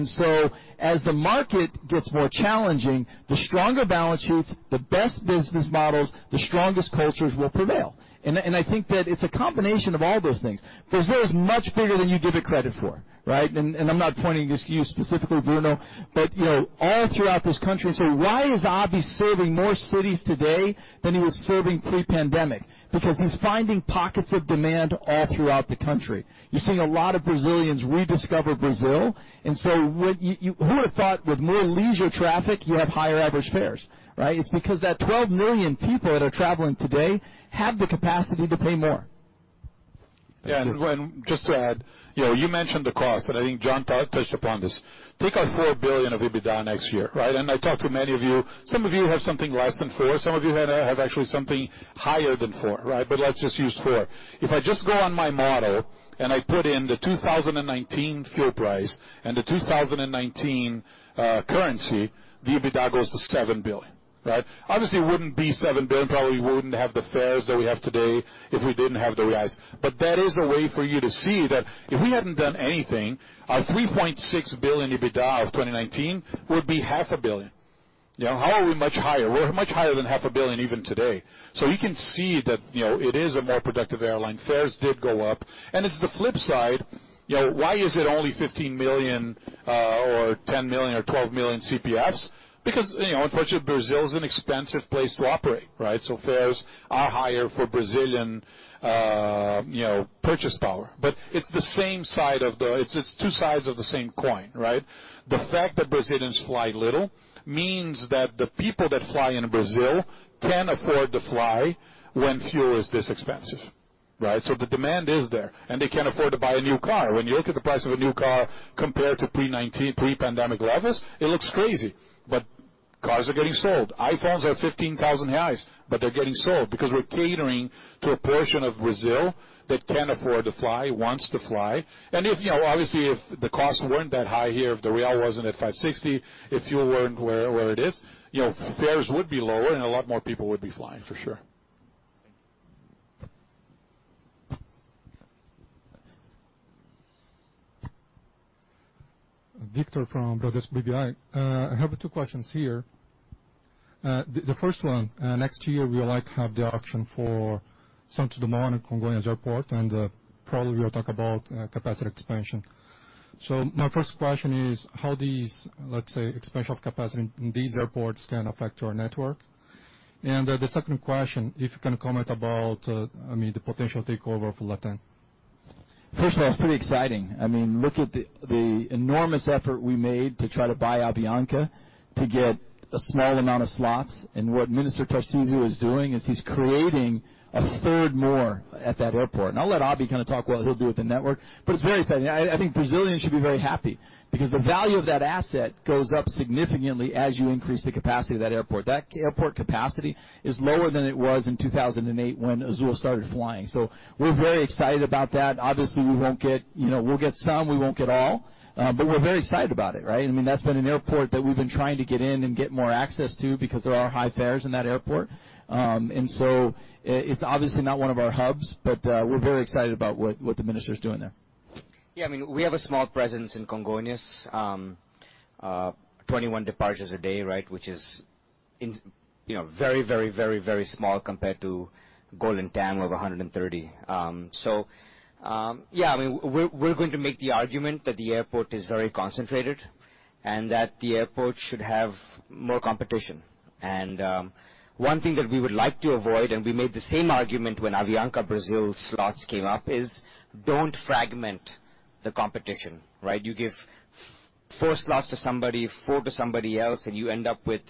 As the market gets more challenging, the stronger balance sheets, the best business models, the strongest cultures will prevail. I think that it's a combination of all those things. Brazil is much bigger than you give it credit for, right? I'm not pointing this to you specifically, Bruno, but you know, all throughout this country. Why is Abhi serving more cities today than he was serving pre-pandemic? Because he's finding pockets of demand all throughout the country. You're seeing a lot of Brazilians rediscover Brazil. What would've thought with more leisure traffic, you have higher average fares, right? It's because that 12 million people that are traveling today have the capacity to pay more. Yeah. Just to add. You know, you mentioned the cost, and I think John touched upon this. Take our 4 billion of EBITDA next year, right? I talked to many of you. Some of you have something less than four, some of you had, have actually something higher than four, right? But let's just use four. If I just go on my model and I put in the 2019 fuel price and the 2019 currency, the EBITDA goes to 7 billion, right? Obviously, it wouldn't be 7 billion, probably wouldn't have the fares that we have today if we didn't have the rise. But that is a way for you to see that if we hadn't done anything, our 3.6 billion EBITDA of 2019 would be 500 million. Yeah, how are we much higher? We're much higher than 500 million even today. We can see that, you know, it is a more productive airline. Fares did go up. It's the flip side, you know, why is it only 15 million or 10 million or 12 million CPFs? Because, you know, unfortunately, Brazil is an expensive place to operate, right? Fares are higher for Brazilian purchasing power. It's two sides of the same coin, right? The fact that Brazilians fly little means that the people that fly in Brazil can afford to fly when fuel is this expensive, right? The demand is there, and they can't afford to buy a new car. When you look at the price of a new car compared to pre-pandemic levels, it looks crazy. Cars are getting sold. iPhones are 15,000, but they're getting sold because we're catering to a portion of Brazil that can afford to fly, wants to fly. If, you know, obviously, if the costs weren't that high here, if the real wasn't at 5.60, if fuel weren't where it is, you know, fares would be lower and a lot more people would be flying, for sure. Thank you. Victor from Bradesco BBI. I have two questions here. The first one, next year, we would like to have the auction for Santos Dumont and Congonhas Airport, and probably we'll talk about capacity expansion. My first question is how these, let's say, expansion of capacity in these airports can affect our network. The second question, if you can comment about, I mean, the potential takeover of LATAM. First of all, it's pretty exciting. I mean, look at the enormous effort we made to try to buy Avianca to get a small amount of slots. What Minister Tarcisio is doing is he's creating a third more at that airport. I'll let Abhi kind of talk about what he'll do with the network. It's very exciting. I think Brazilians should be very happy because the value of that asset goes up significantly as you increase the capacity of that airport. That airport capacity is lower than it was in 2008 when Azul started flying. We're very excited about that. Obviously, you know, we'll get some, we won't get all, but we're very excited about it, right? I mean, that's been an airport that we've been trying to get in and get more access to because there are high fares in that airport. It's obviously not one of our hubs, but we're very excited about what the minister is doing there. Yeah. I mean, we have a small presence in Congonhas, 21 departures a day, right? Which is, you know, very small compared to GOL and TAM over 130. Yeah, I mean, we're going to make the argument that the airport is very concentrated and that the airport should have more competition. One thing that we would like to avoid, and we made the same argument when Avianca Brasil slots came up, is don't fragment the competition, right? You give four slots to somebody, four to somebody else, and you end up with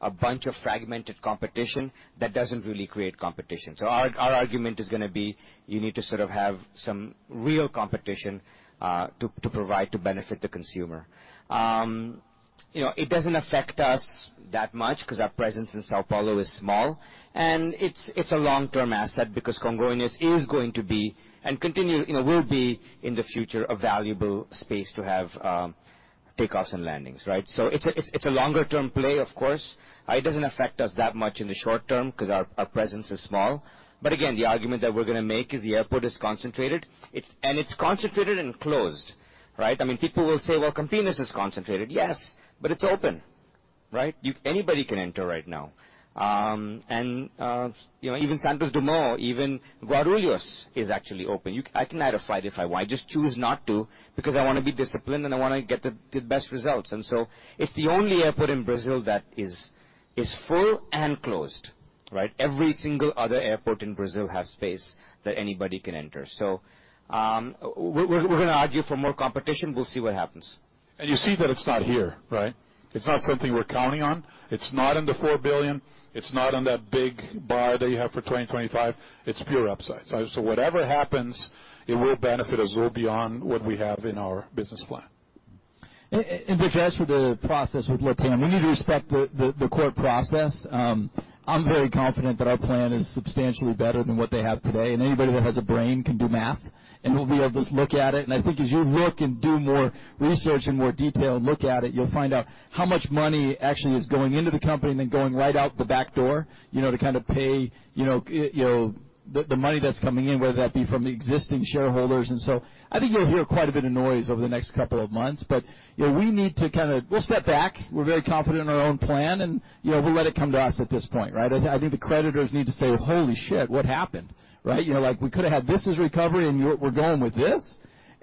a bunch of fragmented competition that doesn't really create competition. Our argument is gonna be, you need to sort of have some real competition, to provide, to benefit the consumer. You know, it doesn't affect us that much 'cause our presence in São Paulo is small, and it's a long-term asset because Congonhas is going to be and continue, you know, will be in the future a valuable space to have takeoffs and landings, right? It's a longer-term play, of course. It doesn't affect us that much in the short term 'cause our presence is small. Again, the argument that we're gonna make is the airport is concentrated. It's concentrated and closed, right? I mean, people will say, "Well, Campinas is concentrated." Yes, but it's open, right? Anybody can enter right now. You know, even Santos Dumont, even Guarulhos is actually open. I can add a flight if I want. I just choose not to because I wanna be disciplined and I wanna get the best results. It's the only airport in Brazil that is full and closed, right? Every single other airport in Brazil has space that anybody can enter. We're gonna argue for more competition. We'll see what happens. You see that it's not here, right? It's not something we're counting on. It's not in the 4 billion. It's not on that big bar that you have for 2025. It's pure upside. Whatever happens, it will benefit Azul beyond what we have in our business plan. Victor, as for the process with LATAM, we need to respect the court process. I'm very confident that our plan is substantially better than what they have today, and anybody that has a brain can do math, and we'll be able to look at it. I think as you look and do more research in more detail and look at it, you'll find out how much money actually is going into the company and then going right out the back door, you know, to kind of pay, you know, the money that's coming in, whether that be from the existing shareholders. I think you'll hear quite a bit of noise over the next couple of months. You know, we need to kind of step back. We're very confident in our own plan and, you know, we'll let it come to us at this point, right? I think the creditors need to say, "Holy shit, what happened?" Right? You know, like, "We could have had this as recovery and you're, we're going with this?"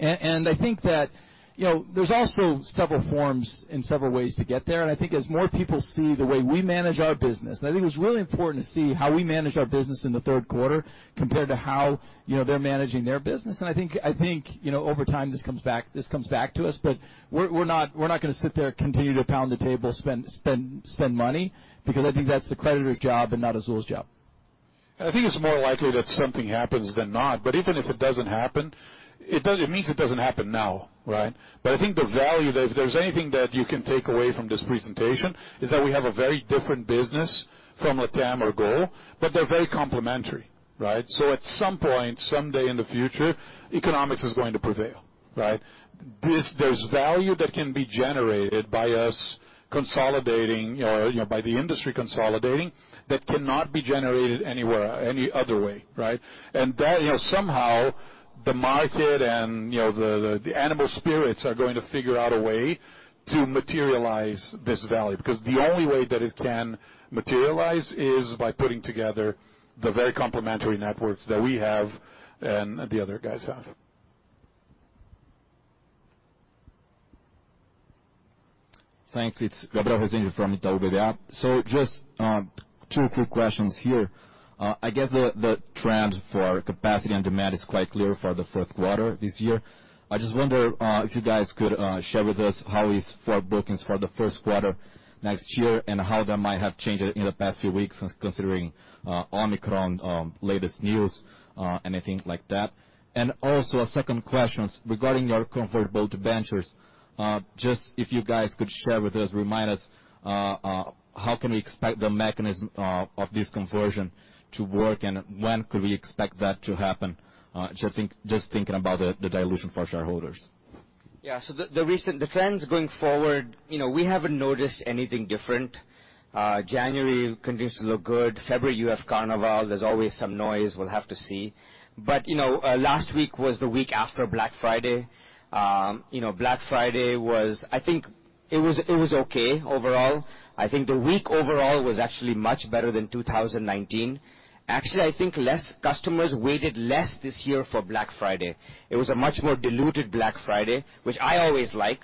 I think that, you know, there's also several forms and several ways to get there, and I think as more people see the way we manage our business, and I think it's really important to see how we manage our business in the third quarter compared to how, you know, they're managing their business. I think, you know, over time, this comes back to us. We're not gonna sit there and continue to pound the table, spend money because I think that's the creditor's job and not Azul's job. I think it's more likely that something happens than not, but even if it doesn't happen, it means it doesn't happen now, right? I think the value that if there's anything that you can take away from this presentation, is that we have a very different business from LATAM or GOL, but they're very complementary, right? At some point, someday in the future, economics is going to prevail, right? There's value that can be generated by us consolidating or, you know, by the industry consolidating, that cannot be generated anywhere, any other way, right? That, you know, somehow the market and, you know, the animal spirits are going to figure out a way to materialize this value. Because the only way that it can materialize is by putting together the very complementary networks that we have and the other guys have. Thanks. It's Gabriel Rezende from Itaú BBA. Just two quick questions here. I guess the trend for capacity and demand is quite clear for the fourth quarter this year. I just wonder if you guys could share with us how is forward bookings for the first quarter next year and how that might have changed in the past few weeks considering Omicron latest news, anything like that. Also a second question regarding your convertible debentures, just if you guys could share with us, remind us how can we expect the mechanism of this conversion to work, and when could we expect that to happen. Just thinking about the dilution for our shareholders. The trends going forward, you know, we haven't noticed anything different. January continues to look good. February, you have Carnival, there's always some noise, we'll have to see. You know, last week was the week after Black Friday. You know, Black Friday was okay overall. I think the week overall was actually much better than 2019. Actually, I think less customers waited less this year for Black Friday. It was a much more diluted Black Friday, which I always like.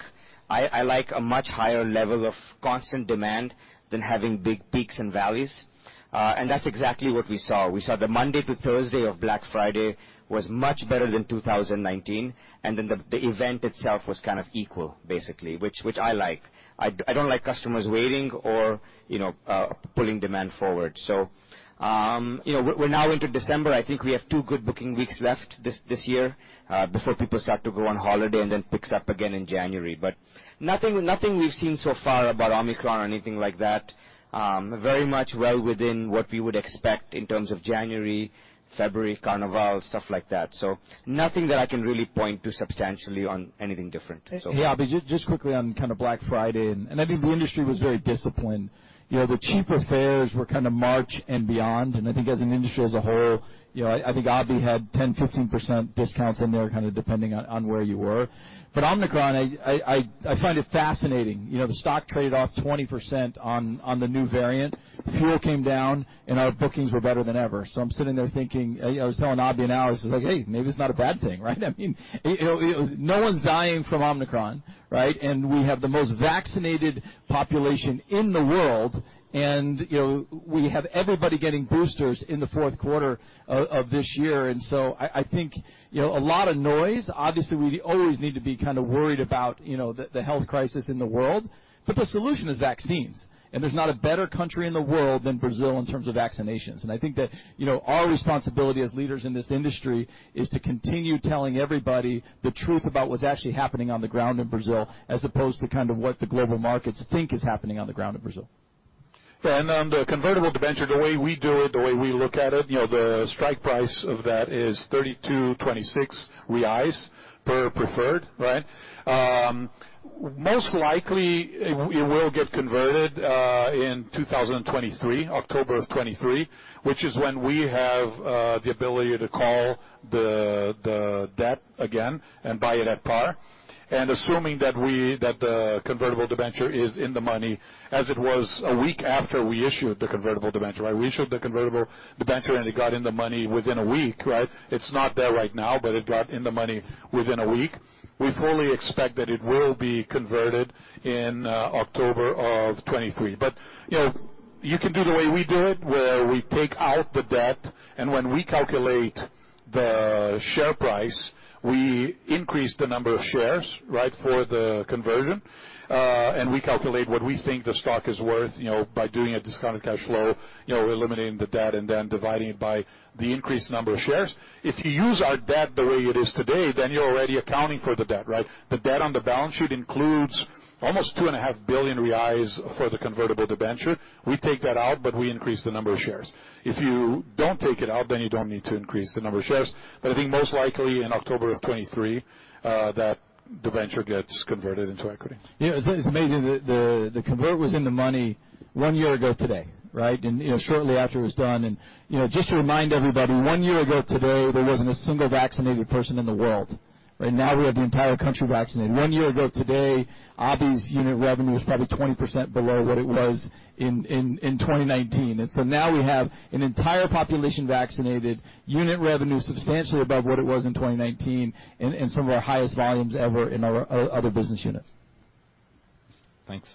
I like a much higher level of constant demand than having big peaks and valleys. That's exactly what we saw. We saw the Monday to Thursday of Black Friday was much better than 2019, and then the event itself was kind of equal, basically, which I like. I don't like customers waiting or, you know, pulling demand forward. You know, we're now into December. I think we have two good booking weeks left this year, before people start to go on holiday and then picks up again in January. Nothing we've seen so far about Omicron or anything like that. Very much well within what we would expect in terms of January, February, Carnival, stuff like that. Nothing that I can really point to substantially on anything different. Yeah Abhi. Just quickly on kind of Black Friday, and I think the industry was very disciplined. You know, the cheaper fares were kind of March and beyond. I think as an industry as a whole, you know, I think Abhi had 10, 15% discounts in there, kind of depending on where you were. Omicron, I find it fascinating. You know, the stock traded off 20% on the new variant. Fuel came down, and our bookings were better than ever. I'm sitting there thinking. I was telling Abhi an hour ago, I says, like, "Hey, maybe it's not a bad thing, right?" I mean, you know, no one's dying from Omicron, right? We have the most vaccinated population in the world, and, you know, we have everybody getting boosters in the fourth quarter of this year. I think, you know, a lot of noise. Obviously, we always need to be kind of worried about, you know, the health crisis in the world. The solution is vaccines, and there's not a better country in the world than Brazil in terms of vaccinations. I think that, you know, our responsibility as leaders in this industry is to continue telling everybody the truth about what's actually happening on the ground in Brazil, as opposed to kind of what the global markets think is happening on the ground in Brazil. On the convertible debenture, the way we do it, the way we look at it, you know, the strike price of that is 32.26 reais per preferred, right? Most likely, it will get converted in 2023, October of 2023, which is when we have the ability to call the debt again and buy it at par. Assuming that the convertible debenture is in the money as it was a week after we issued the convertible debenture, right? We issued the convertible debenture, and it got in the money within a week, right? It's not there right now, but it got in the money within a week. We fully expect that it will be converted in October of 2023. You know, you can do the way we do it, where we take out the debt, and when we calculate the share price, we increase the number of shares, right? For the conversion. We calculate what we think the stock is worth, you know, by doing a discounted cash flow, you know, eliminating the debt and then dividing it by the increased number of shares. If you use our debt the way it is today, then you're already accounting for the debt, right? The debt on the balance sheet includes almost 2.5 billion reais for the convertible debenture. We take that out, but we increase the number of shares. If you don't take it out, then you don't need to increase the number of shares. I think most likely in October 2023, that debenture gets converted into equity. You know, it's amazing the convertible was in the money one year ago today, right? You know, shortly after it was done. You know, just to remind everybody, one year ago today, there wasn't a single vaccinated person in the world. Right now, we have the entire country vaccinated. One year ago today, Abhi's unit revenue was probably 20% below what it was in 2019. Now we have an entire population vaccinated, unit revenue substantially above what it was in 2019, and some of our highest volumes ever in our other business units. Thanks.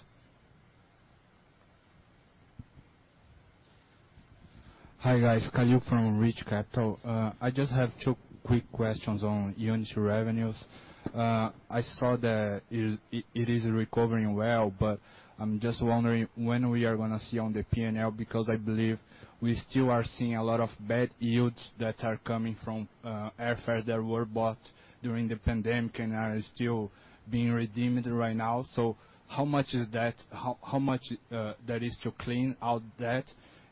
Hi, guys. Khalil from Reach Capital. I just have two quick questions on unit revenues. I saw that it is recovering well, but I'm just wondering when we are gonna see on the P&L, because I believe we still are seeing a lot of bad yields that are coming from airfare that were bought during the pandemic and are still being redeemed right now. So how much is that to clean out?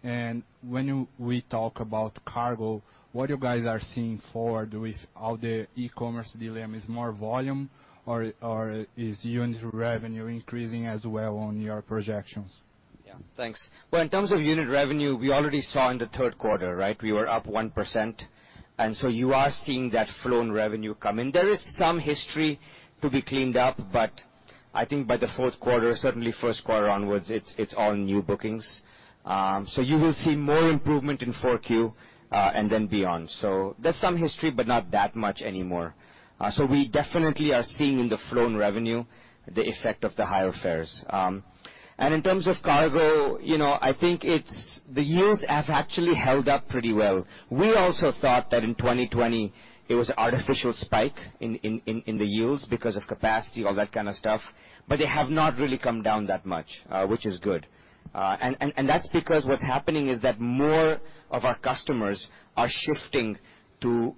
And when we talk about cargo, what you guys are seeing forward with all the e-commerce dilemma? Is more volume or is unit revenue increasing as well on your projections? Thanks. Well, in terms of unit revenue, we already saw in the third quarter, right? We were up 1%, and you are seeing that flown revenue come in. There is some history to be cleaned up, but I think by the fourth quarter, certainly first quarter onwards, it's all new bookings. You will see more improvement in 4Q and then beyond. There's some history, but not that much anymore. We definitely are seeing in the flown revenue the effect of the higher fares. In terms of cargo, you know, I think it's the yields have actually held up pretty well. We also thought that in 2020 it was an artificial spike in the yields because of capacity, all that kind of stuff. They have not really come down that much, which is good. That's because what's happening is that more of our customers are shifting to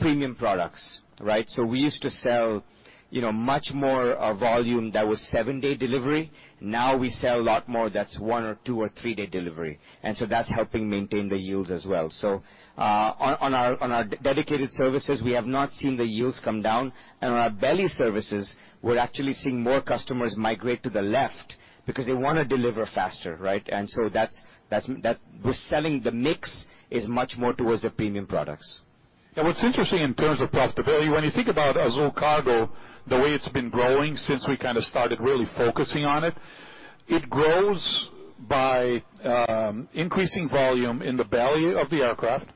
premium products, right? We used to sell, you know, much more volume that was seven-day delivery. Now we sell a lot more that's one or two or three-day delivery. That's helping maintain the yields as well. On our dedicated services, we have not seen the yields come down. On our belly services, we're actually seeing more customers migrate to the left because they wanna deliver faster, right? We're selling the mix is much more towards the premium products. What's interesting in terms of profitability, when you think about Azul Cargo, the way it's been growing since we kind of started really focusing on it grows by increasing volume in the belly of the aircraft,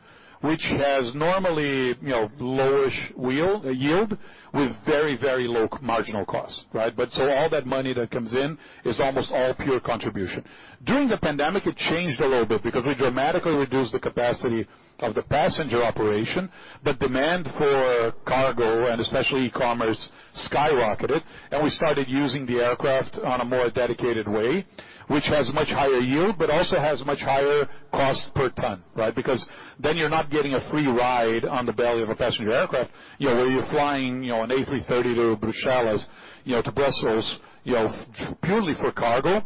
which has normally, you know, low-ish yield with very, very low marginal cost, right? All that money that comes in is almost all pure contribution. During the pandemic, it changed a little bit because we dramatically reduced the capacity of the passenger operation, but demand for cargo, and especially e-commerce, skyrocketed, and we started using the aircraft on a more dedicated way, which has much higher yield but also has much higher cost per ton, right? Because then you're not getting a free ride on the belly of a passenger aircraft, you know, where you're flying, you know, an A330 to Bruxelas, to Brussels purely, you know, purely for cargo,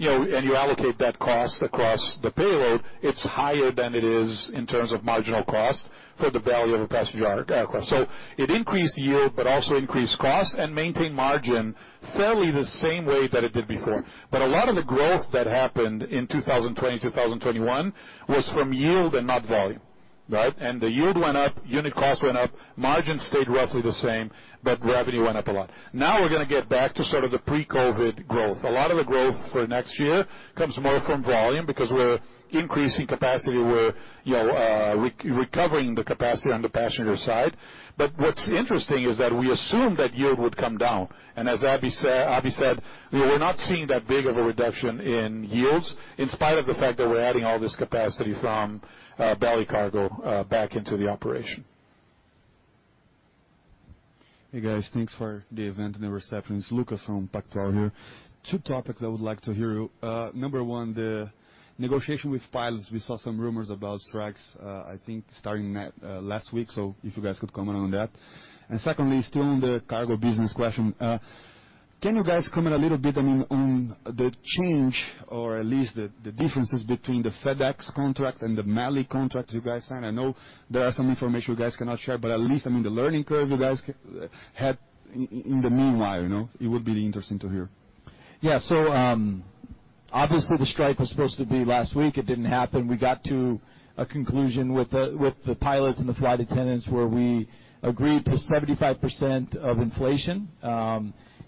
you know, and you allocate that cost across the payload, it's higher than it is in terms of marginal cost for the belly of a passenger aircraft. It increased yield but also increased cost and maintained margin fairly the same way that it did before. A lot of the growth that happened in 2020, 2021 was from yield and not volume, right? The yield went up, unit cost went up, margin stayed roughly the same, but revenue went up a lot. Now we're gonna get back to sort of the pre-COVID growth. A lot of the growth for next year comes more from volume because we're increasing capacity. We're, you know, recovering the capacity on the passenger side. What's interesting is that we assumed that yield would come down. As Abhi said, we were not seeing that big of a reduction in yields, in spite of the fact that we're adding all this capacity from belly cargo back into the operation. Hey, guys. Thanks for the event and the reception. It's Lucas from BTG Pactual here. Two topics, I would like to hear you. Number one, the negotiation with pilots, we saw some rumors about strikes. I think starting last week, so if you guys could comment on that? And secondly, still on the cargo business question. Can you guys comment a little bit on the change or at least the differences between the FedEx contract and the Meli you guys and I know there are some information guys cannot share but at least I mean in the learning curve, you guys had in the meanwhile, it would be interesting to hear? Yes. So obviously, the strike was supposed to be last week. It didn't happen, we got to a conclusion with the pilots and the flight attendants, where we agreed to 75% of inflation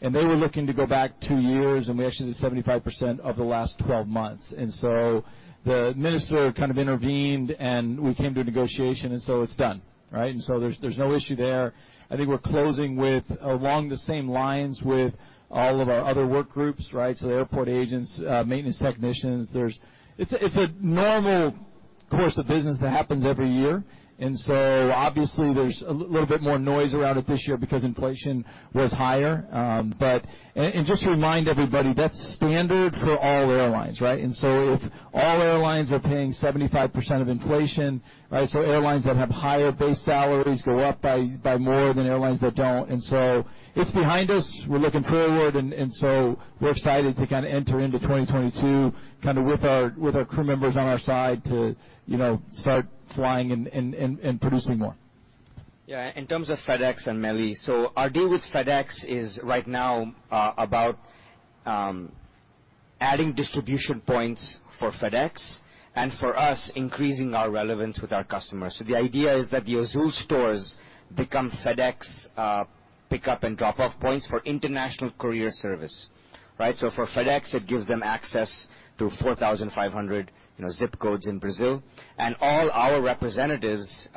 and they were looking to go back two-years and we actually the 75% of the last 12 months. And so the Minister kind of intervened and we came to a negotiation and so it's done, right. And so there's no issue there. I think we're closing with along the same lines with all of our other work groups, right. So the airport agents, maintenance technicians, there's it's a normal course of business that happens every year. And so obviously, there's a little bit more noise around it this year because inflation was higher. But and just to remind everybody, that's standard for all airlines, right. And so if all airlines are paying 75% of inflation, right. So airlines have had higher base salaries go up by more than airlines that don't. And so, it's behind us. We're looking forward and so we're excited to kind of enter into 2022, kind of with our crew members on our side to start flying and producing more. Yeah. In terms of FedEx and Meli. Our deal with FedEx is right now about adding distribution points for FedEx and for us increasing our relevance with our customers. The idea is that the Azul stores become FedEx pickup and drop-off points for international courier service, right? For FedEx, it gives them access to 4,500, you know, ZIP codes in Brazil. All our representatives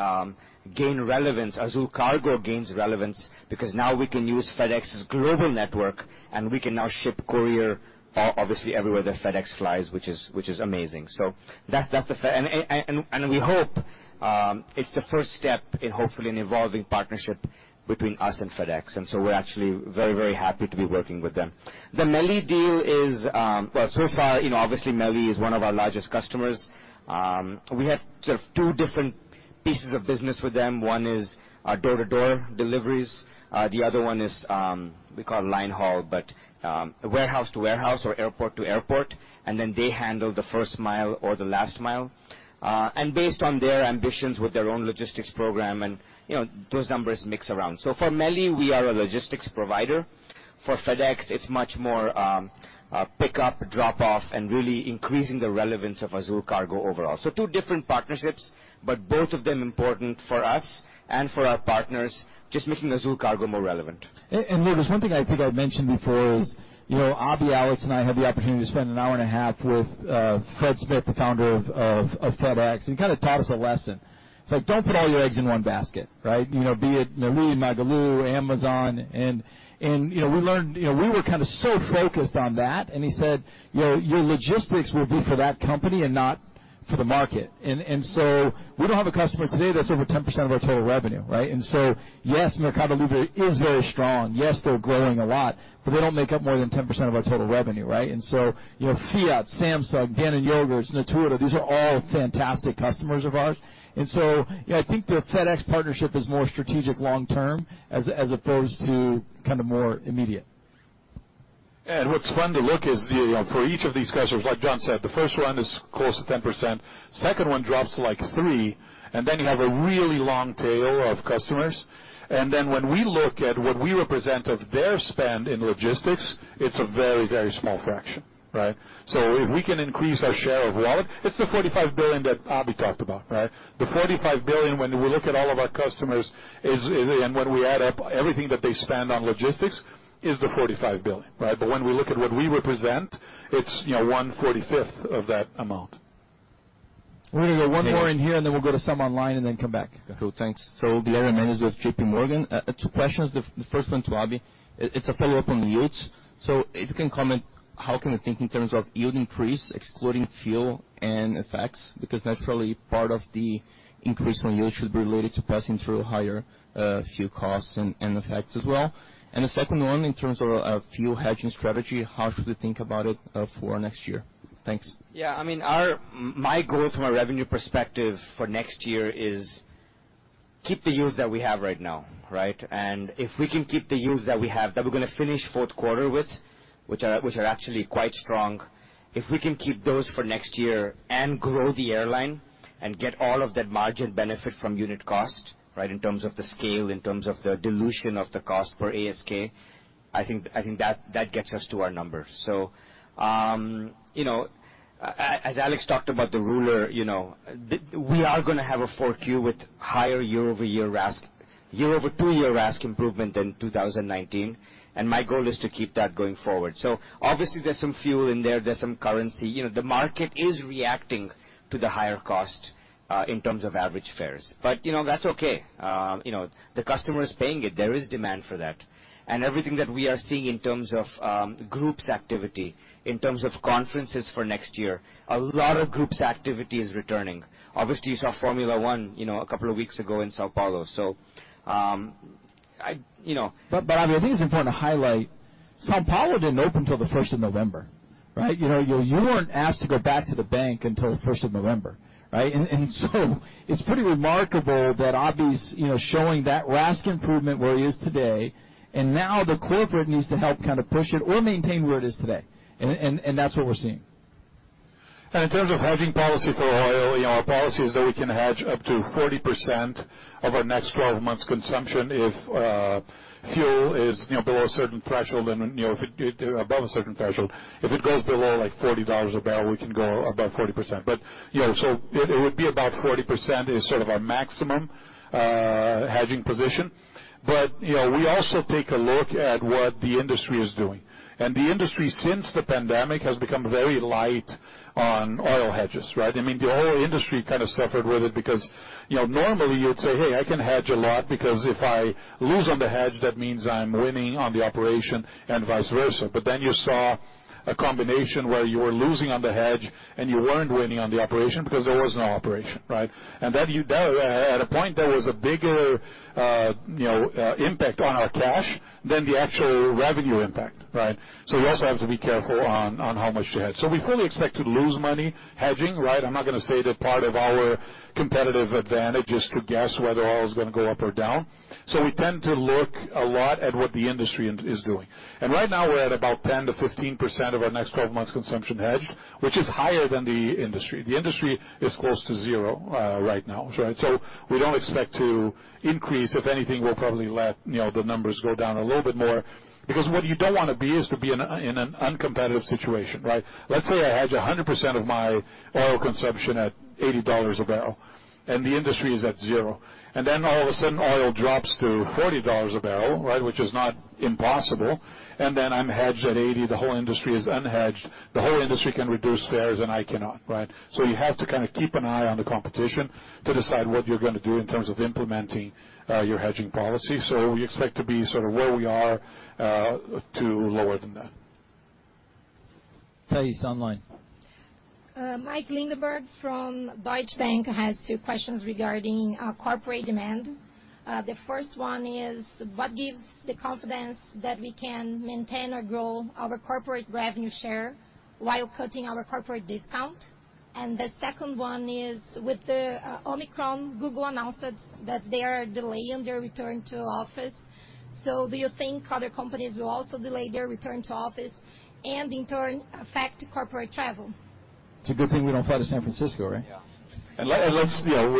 gain relevance, Azul Cargo gains relevance because now we can use FedEx's global network, and we can now ship courier obviously everywhere that FedEx flies, which is amazing. We hope it's the first step in hopefully an evolving partnership between us and FedEx. We're actually very, very happy to be working with them. The Mercado Libre deal is, well, so far, you know, obviously Mercado Libre is one of our largest customers. We have sort of two different pieces of business with them. One is our door-to-door deliveries. The other one is, we call line haul, but, warehouse to warehouse or airport to airport, and then they handle the first mile or the last mile. Based on their ambitions with their own logistics program and, you know, those numbers mix around. For Mercado Libre, we are a logistics provider. For FedEx, it's much more, pickup, drop off, and really increasing the relevance of Azul Cargo overall. Two different partnerships, but both of them important for us and for our partners, just making Azul Cargo more relevant. Lucas, one thing I think I've mentioned before is, you know, Abhi, Alex and I had the opportunity to spend an 1.5 hours With Fred Smith, the founder of FedEx, and he kind of taught us a lesson. It's like, "Don't put all your eggs in one basket," right? You know, be it, Meli, Megalu, Amazon, and you know, we learned. You know, we were kind of so focused on that, and he said, "You know, your logistics will be for that company and not for the market." We don't have a customer today that's over 10% of our total revenue, right? Yes, Mercado Libre is very strong. Yes, they're growing a lot, but they don't make up more than 10% of our total revenue, right? You know, Fiat, Samsung, Danone yogurts, Natura, these are all fantastic customers of ours. You know, I think the FedEx partnership is more strategic long-term as opposed to kind of more immediate. Yeah. What's fun to look is the, you know, for each of these customers, like John said, the first one is close to 10%, second one drops to, like, 3%, and then you have a really long tail of customers. Then when we look at what we represent of their spend in logistics, it's a very, very small fraction, right? If we can increase our share of wallet, it's the 45 billion that Abhi talked about, right? The 45 billion, when we look at all of our customers, is and when we add up everything that they spend on logistics, is the 45 billion, right? When we look at what we represent, it's, you know, 1/45th of that amount. We're gonna go one more in here, and then we'll go to some online and then come back. Okay. Cool. Thanks. Guilherme Mendes with JPMorgan. Two questions. The first one to Abhi. It's a follow-up on yields. If you can comment, how can we think in terms of yield increase excluding fuel and FX effects? Because naturally, part of the increase on yield should be related to passing through higher fuel costs and FX effects as well. The second one, in terms of a fuel hedging strategy, how should we think about it for next year? Thanks. Yeah, I mean, our goal from a revenue perspective for next year is keep the yields that we have right now, right? If we can keep the yields that we have that we're gonna finish fourth quarter with, which are actually quite strong, if we can keep those for next year and grow the airline and get all of that margin benefit from unit cost, right? In terms of the scale, in terms of the dilution of the cost per ASK, I think that gets us to our numbers. You know, as Alex talked about the rule, you know, we are gonna have a 4Q with higher year-over-year RASK. Year-over-year RASK improvement in 2019, and my goal is to keep that going forward. Obviously there's some fuel in there's some currency. You know, the market is reacting to the higher cost in terms of average fares. You know, that's okay. You know, the customer is paying it. There is demand for that. Everything that we are seeing in terms of groups activity, in terms of conferences for next year, a lot of groups activity is returning. Obviously, you saw Formula One, you know, a couple of weeks ago in São Paulo. I, you know- Abhi, I think it's important to highlight, São Paulo didn't open till November 1st, right? You know, you weren't asked to go back to the bank until November 1st, right? That's what we're seeing. In terms of hedging policy for oil, you know, our policy is that we can hedge up to 40% of our next 12 months consumption if fuel is, you know, below a certain threshold and, you know, if it above a certain threshold. If it goes below, like, $40 a barrel, we can go above 40%. But, you know, so it would be about 40% is sort of our maximum hedging position. But, you know, we also take a look at what the industry is doing. The industry since the pandemic has become very light on oil hedges, right? I mean, the oil industry kind of suffered with it because, you know, normally you would say, "Hey, I can hedge a lot because if I lose on the hedge, that means I'm winning on the operation and vice versa." You saw a combination where you were losing on the hedge and you weren't winning on the operation because there was no operation, right? That at a point, there was a bigger, you know, impact on our cash than the actual revenue impact, right? We also have to be careful on how much to hedge. We fully expect to lose money hedging, right? I'm not gonna say that part of our competitive advantage is to guess whether oil is gonna go up or down. We tend to look a lot at what the industry is doing. Right now we're at about 10%-15% of our next 12 months consumption hedged, which is higher than the industry. The industry is close to 0%, right now, right? We don't expect to increase. If anything, we'll probably let, you know, the numbers go down a little bit more because what you don't wanna be is to be in an uncompetitive situation, right? Let's say I hedge 100% of my oil consumption at $80 a barrel, and the industry is at zero. Then all of a sudden oil drops to $40 a barrel, right? Which is not impossible, and then I'm hedged at $80, the whole industry is unhedged. The whole industry can reduce fares and I cannot, right? You have to kind of keep an eye on the competition to decide what you're gonna do in terms of implementing your hedging policy. We expect to be sort of where we are to lower than that. Thais, online. Mike Linenberg from Deutsche Bank has two questions regarding corporate demand. The first one is, what gives the confidence that we can maintain or grow our corporate revenue share while cutting our corporate discount? The second one is, with the Omicron, Google announced that they are delaying their return to office. Do you think other companies will also delay their return to office and in turn affect corporate travel? It's a good thing we don't fly to San Francisco, right? Let's. You know,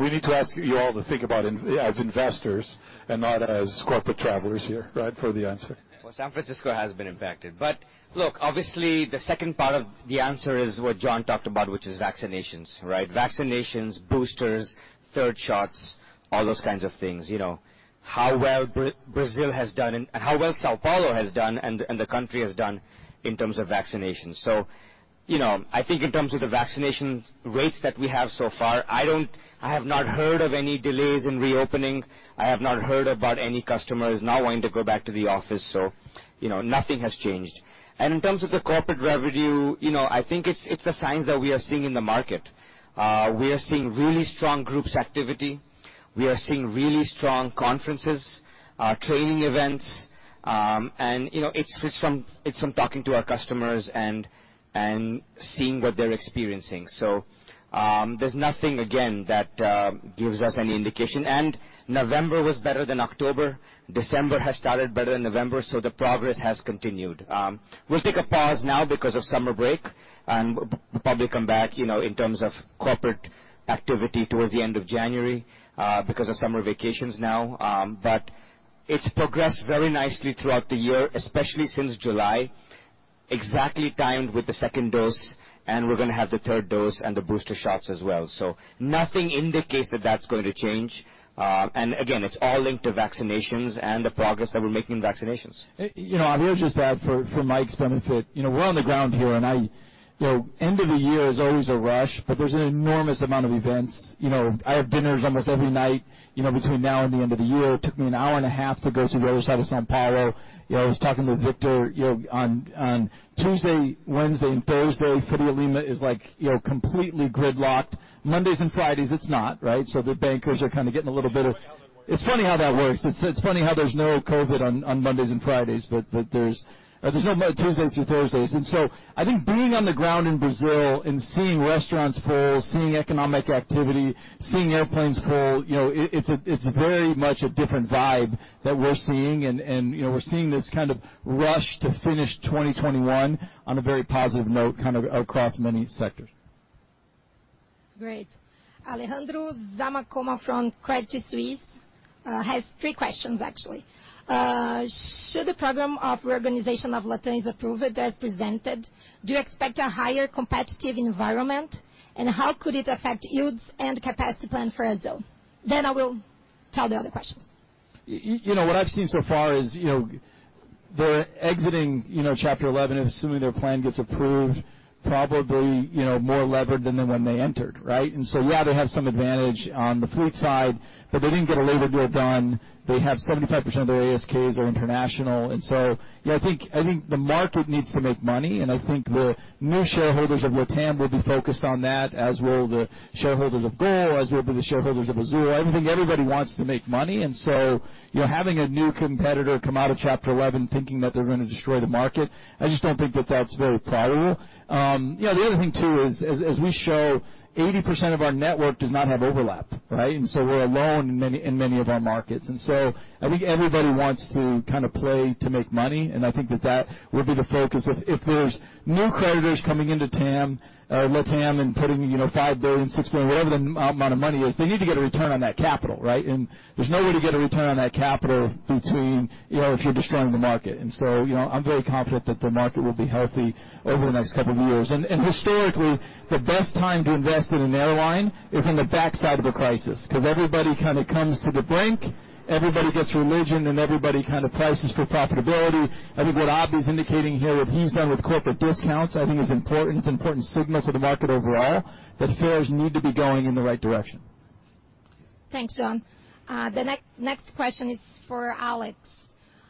we need to ask you all to think about as investors and not as corporate travelers here, right? For the answer. Well, San Francisco has been impacted. Look, obviously, the second part of the answer is what John talked about, which is vaccinations, right? Vaccinations, boosters, third shots, all those kinds of things. You know, how well Brazil has done and how well São Paulo has done and the country has done in terms of vaccinations. You know, I think in terms of the vaccination rates that we have so far, I have not heard of any delays in reopening. I have not heard about any customers not wanting to go back to the office. You know, nothing has changed. In terms of the corporate revenue, you know, I think it's the signs that we are seeing in the market. We are seeing really strong groups activity. We are seeing really strong conferences, training events, and, you know, it's from talking to our customers and seeing what they're experiencing. There's nothing again that gives us any indication. November was better than October. December has started better than November, so the progress has continued. We'll take a pause now because of summer break and probably come back, you know, in terms of corporate activity towards the end of January, because of summer vacations now. It's progressed very nicely throughout the year, especially since July, exactly timed with the second dose, and we're gonna have the third dose and the booster shots as well. Nothing indicates that that's going to change. Again, it's all linked to vaccinations and the progress that we're making in vaccinations. You know, I'll just add for Mike's benefit. You know, we're on the ground here, and I you know, end of the year is always a rush, but there's an enormous amount of events. You know, I have dinners almost every night, you know, between now and the end of the year. It took me an 1.5 hours To go to the other side of São Paulo. You know, I was talking with Victor, you know, on Tuesday, Wednesday and Thursday, Faria Lima is like, you know, completely gridlocked. Mondays and Fridays, it's not, right? The bankers are kinda getting a little bit of- It's funny how that works. It's funny how that works. It's funny how there's no COVID on Mondays and Fridays, but there's Tuesdays through Thursdays. I think being on the ground in Brazil and seeing restaurants full, seeing economic activity, seeing airplanes full, you know, it's very much a different vibe that we're seeing and, you know, we're seeing this kind of rush to finish 2021 on a very positive note, kind of across many sectors. Great. Alejandro Zamacona from Credit Suisse has three questions, actually. Should the program of reorganization of LATAM is approved as presented, do you expect a higher competitive environment? How could it affect yields and capacity plan for Azul? I will tell the other questions. You know, what I've seen so far is, you know, they're exiting, you know, Chapter 11, assuming their plan gets approved, probably, you know, more levered than when they entered, right? Yeah, they have some advantage on the fleet side, but they didn't get a labor deal done. They have 75% of their ASKs are international. You know, I think the market needs to make money, and I think the new shareholders of LATAM will be focused on that, as will the shareholders of GOL, as will be the shareholders of Azul. I think everybody wants to make money. You know, having a new competitor come out of Chapter 11 thinking that they're gonna destroy the market, I just don't think that that's very probable. You know, the other thing too is as we show, 80% of our network does not have overlap, right? We're alone in many of our markets. I think everybody wants to kind of play to make money, and I think that will be the focus. If there's new creditors coming into TAM, LATAM and putting, you know, $5 billion, $6 billion, whatever the amount of money is, they need to get a return on that capital, right? There's no way to get a return on that capital between you know, if you're destroying the market. You know, I'm very confident that the market will be healthy over the next couple of years. Historically, the best time to invest in an airline is in the backside of a crisis, 'cause everybody kinda comes to the brink, everybody gets religion, and everybody kind of prices for profitability. I think what Abhi is indicating here, what he's done with corporate discounts, I think is important. It's an important signal to the market overall that fares need to be going in the right direction. Thanks, John. The next question is for Alex.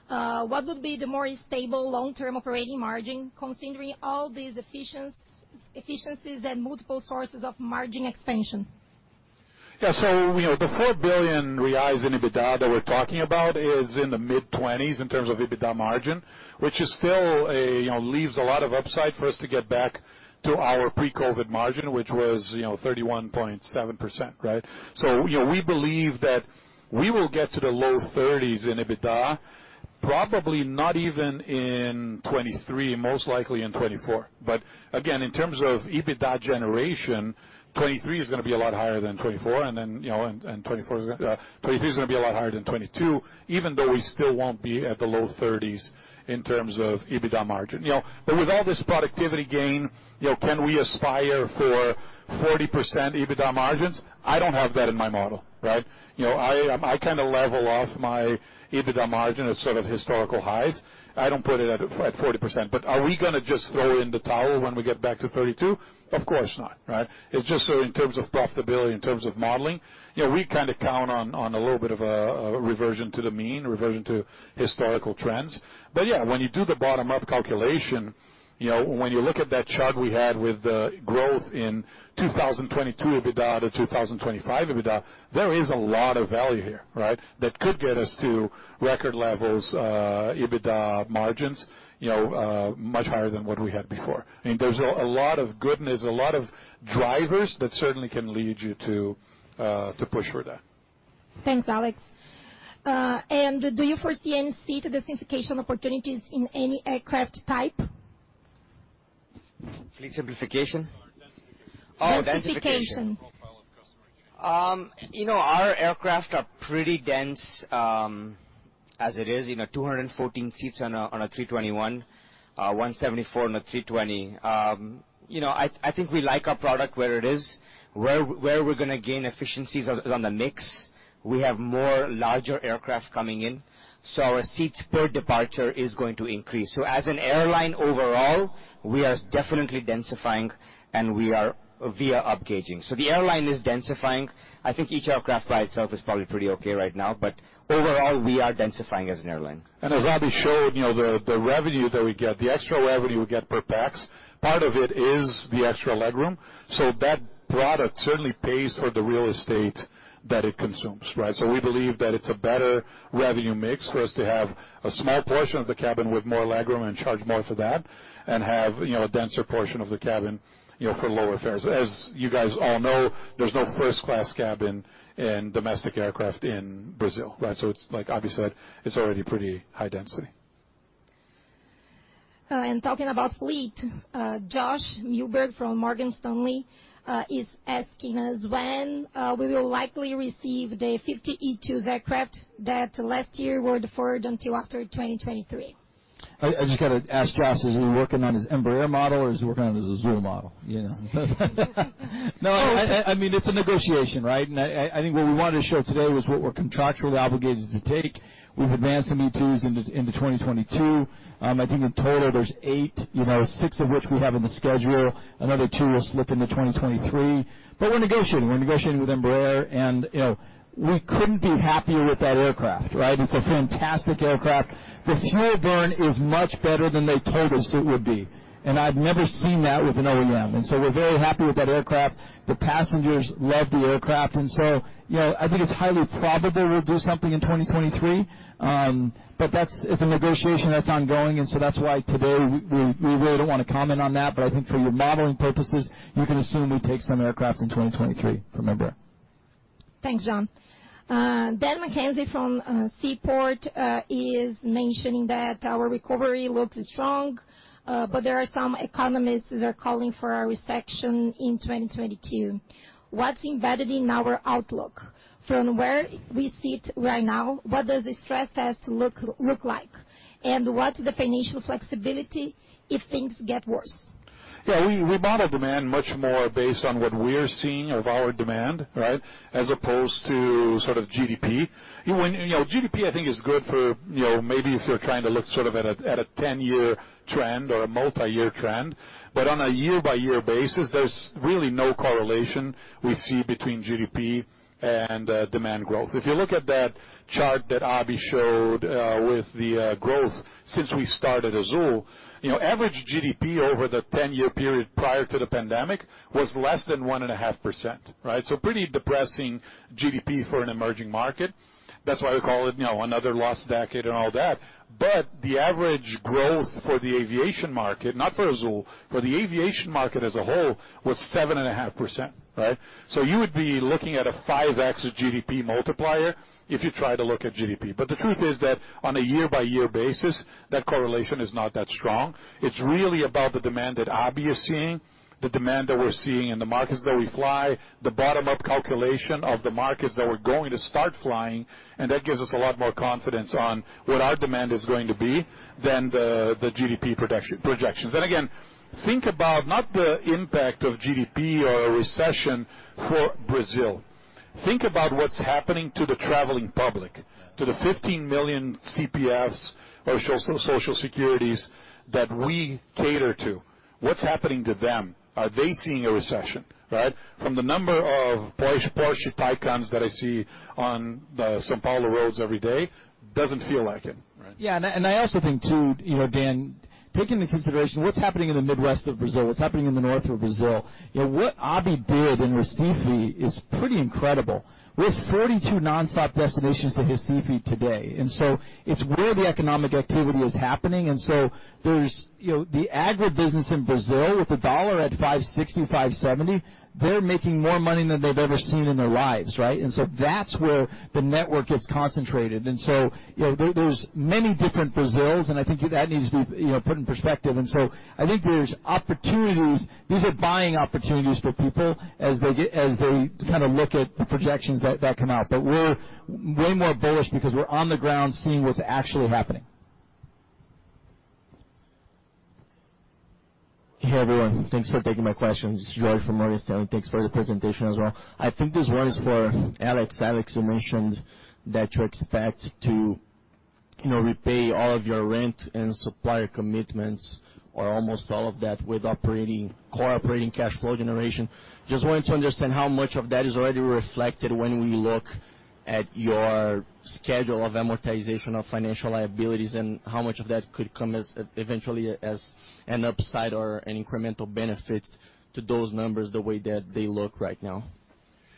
What would be the more stable long-term operating margin considering all these efficiencies and multiple sources of margin expansion? You know, the 4 billion reais in EBITDA that we're talking about is in the mid-20s in terms of EBITDA margin, which still leaves a lot of upside for us to get back to our pre-COVID margin, which was, you know, 31.7%, right? You know, we believe that we will get to the low 30s in EBITDA, probably not even in 2023, most likely in 2024. Again, in terms of EBITDA generation, 2023 is gonna be a lot higher than 2024. 2023 is gonna be a lot higher than 2022, even though we still won't be at the low 30s in terms of EBITDA margin. You know, with all this productivity gain, you know, can we aspire for 40% EBITDA margins? I don't have that in my model, right? You know, I kinda level off my EBITDA margin at sort of historical highs. I don't put it at 40%. Are we gonna just throw in the towel when we get back to 32%? Of course not, right? It's just so in terms of profitability, in terms of modeling, you know, we kinda count on a little bit of a reversion to the mean, reversion to historical trends. Yeah, when you do the bottom-up calculation, you know, when you look at that chart we had with the growth in 2022 EBITDA to 2025 EBITDA, there is a lot of value here, right? That could get us to record levels, EBITDA margins, you know, much higher than what we had before. I mean, there's a lot of goodness, a lot of drivers that certainly can lead you to push for that. Thanks, Alex. Do you foresee the densification opportunities in any aircraft type? Fleet simplification? Densification. Oh, densification. Densification. You know, our aircraft are pretty dense, as it is, you know, 214 seats on a 321, 174 on a 320. You know, I think we like our product where it is. Where we're gonna gain efficiencies is on the mix. We have more larger aircraft coming in, so our seats per departure is going to increase. As an airline overall, we are definitely densifying, and we are via upgauging. The airline is densifying. I think each aircraft by itself is probably pretty okay right now. Overall, we are densifying as an airline. As Abhi showed, you know, the revenue that we get, the extra revenue we get per pax, part of it is the extra legroom. That product certainly pays for the real estate that it consumes, right? We believe that it's a better revenue mix for us to have a small portion of the cabin with more legroom and charge more for that and have, you know, a denser portion of the cabin, you know, for lower fares. As you guys all know, there's no first class cabin in domestic aircraft in Brazil, right? It's like Abhi said, it's already pretty high density. Talking about fleet, Josh Milberg from Morgan Stanley is asking us when we will likely receive the 50 E2s aircraft that last year were deferred until after 2023. I just gotta ask Josh, is he working on his Embraer model or is he working on his Azul model? You know. No, I mean, it's a negotiation, right? I think what we wanted to show today was what we're contractually obligated to take. We've advanced some E2s into 2022. I think in total, there's eight, six of which we have in the schedule. Another two will slip into 2023. We're negotiating with Embraer, you know, we couldn't be happier with that aircraft, right? It's a fantastic aircraft. The fuel burn is much better than they told us it would be, and I've never seen that with an OEM. We're very happy with that aircraft. The passengers love the aircraft. You know, I think it's highly probable we'll do something in 2023. It's a negotiation that's ongoing, that's why today we really don't wanna comment on that. I think for your modeling purposes, you can assume we take some aircraft in 2023 from Embraer. Thanks, John. Dan McKenzie from Seaport is mentioning that our recovery looks strong, but there are some economists that are calling for a recession in 2022. What's embedded in our outlook? From where we sit right now, what does the stress test look like? And what's the financial flexibility if things get worse? Yeah. We model demand much more based on what we're seeing of our demand, right? As opposed to sort of GDP. You know, GDP, I think is good for, you know, maybe if you're trying to look sort of at a 10-year trend or a multi-year trend. But on a year-by-year basis, there's really no correlation we see between GDP and demand growth. If you look at that chart that Abhi showed, with the growth since we started Azul, you know, average GDP over the ten-year period prior to the pandemic was less than 1.5%, right? Pretty depressing GDP for an emerging market. That's why we call it, you know, another lost decade and all that. The average growth for the aviation market, not for Azul, for the aviation market as a whole, was 7.5%, right? You would be looking at a 5x GDP multiplier if you try to look at GDP. The truth is that on a year-by-year basis, that correlation is not that strong. It's really about the demand that Abhi is seeing, the demand that we're seeing in the markets that we fly, the bottom-up calculation of the markets that we're going to start flying, and that gives us a lot more confidence on what our demand is going to be than the GDP projections. Again, think about not the impact of GDP or a recession for Brazil. Think about what's happening to the traveling public- Yeah. to the 15 million CPFs or social securities that we cater to. What's happening to them? Are they seeing a recession, right? From the number of Porsche Taycans that I see on the São Paulo roads every day, doesn't feel like it. Right. Yeah, I also think, too, you know, Dan, take into consideration what's happening in the Midwest of Brazil, what's happening in the north of Brazil. You know, what Abhi did in Recife is pretty incredible. We have 42 nonstop destinations to Recife today. It's where the economic activity is happening. There's, you know, the agribusiness in Brazil with the dollar at $5.60, $5.70, they're making more money than they've ever seen in their lives, right? That's where the network gets concentrated. You know, there's many different Brazils, and I think that needs to be, you know, put in perspective. I think there's opportunities. These are buying opportunities for people as they kinda look at the projections that come out. We're way more bullish because we're on the ground seeing what's actually happening. Hey, everyone. Thanks for taking my questions. This is Jorge from Morgan Stanley. Thanks for the presentation as well. I think this one is for Alex. Alex, you mentioned that you expect to, you know, repay all of your rent and supplier commitments or almost all of that with core operating cash flow generation. Just wanted to understand how much of that is already reflected when we look at your schedule of amortization of financial liabilities and how much of that could come eventually as an upside or an incremental benefit to those numbers the way that they look right now?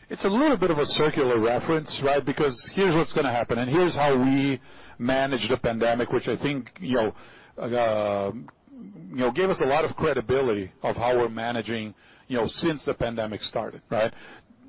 It's a little bit of a circular reference, right? Because here's what's gonna happen, and here's how we managed the pandemic, which I think, you know, you know, gave us a lot of credibility of how we're managing, you know, since the pandemic started, right?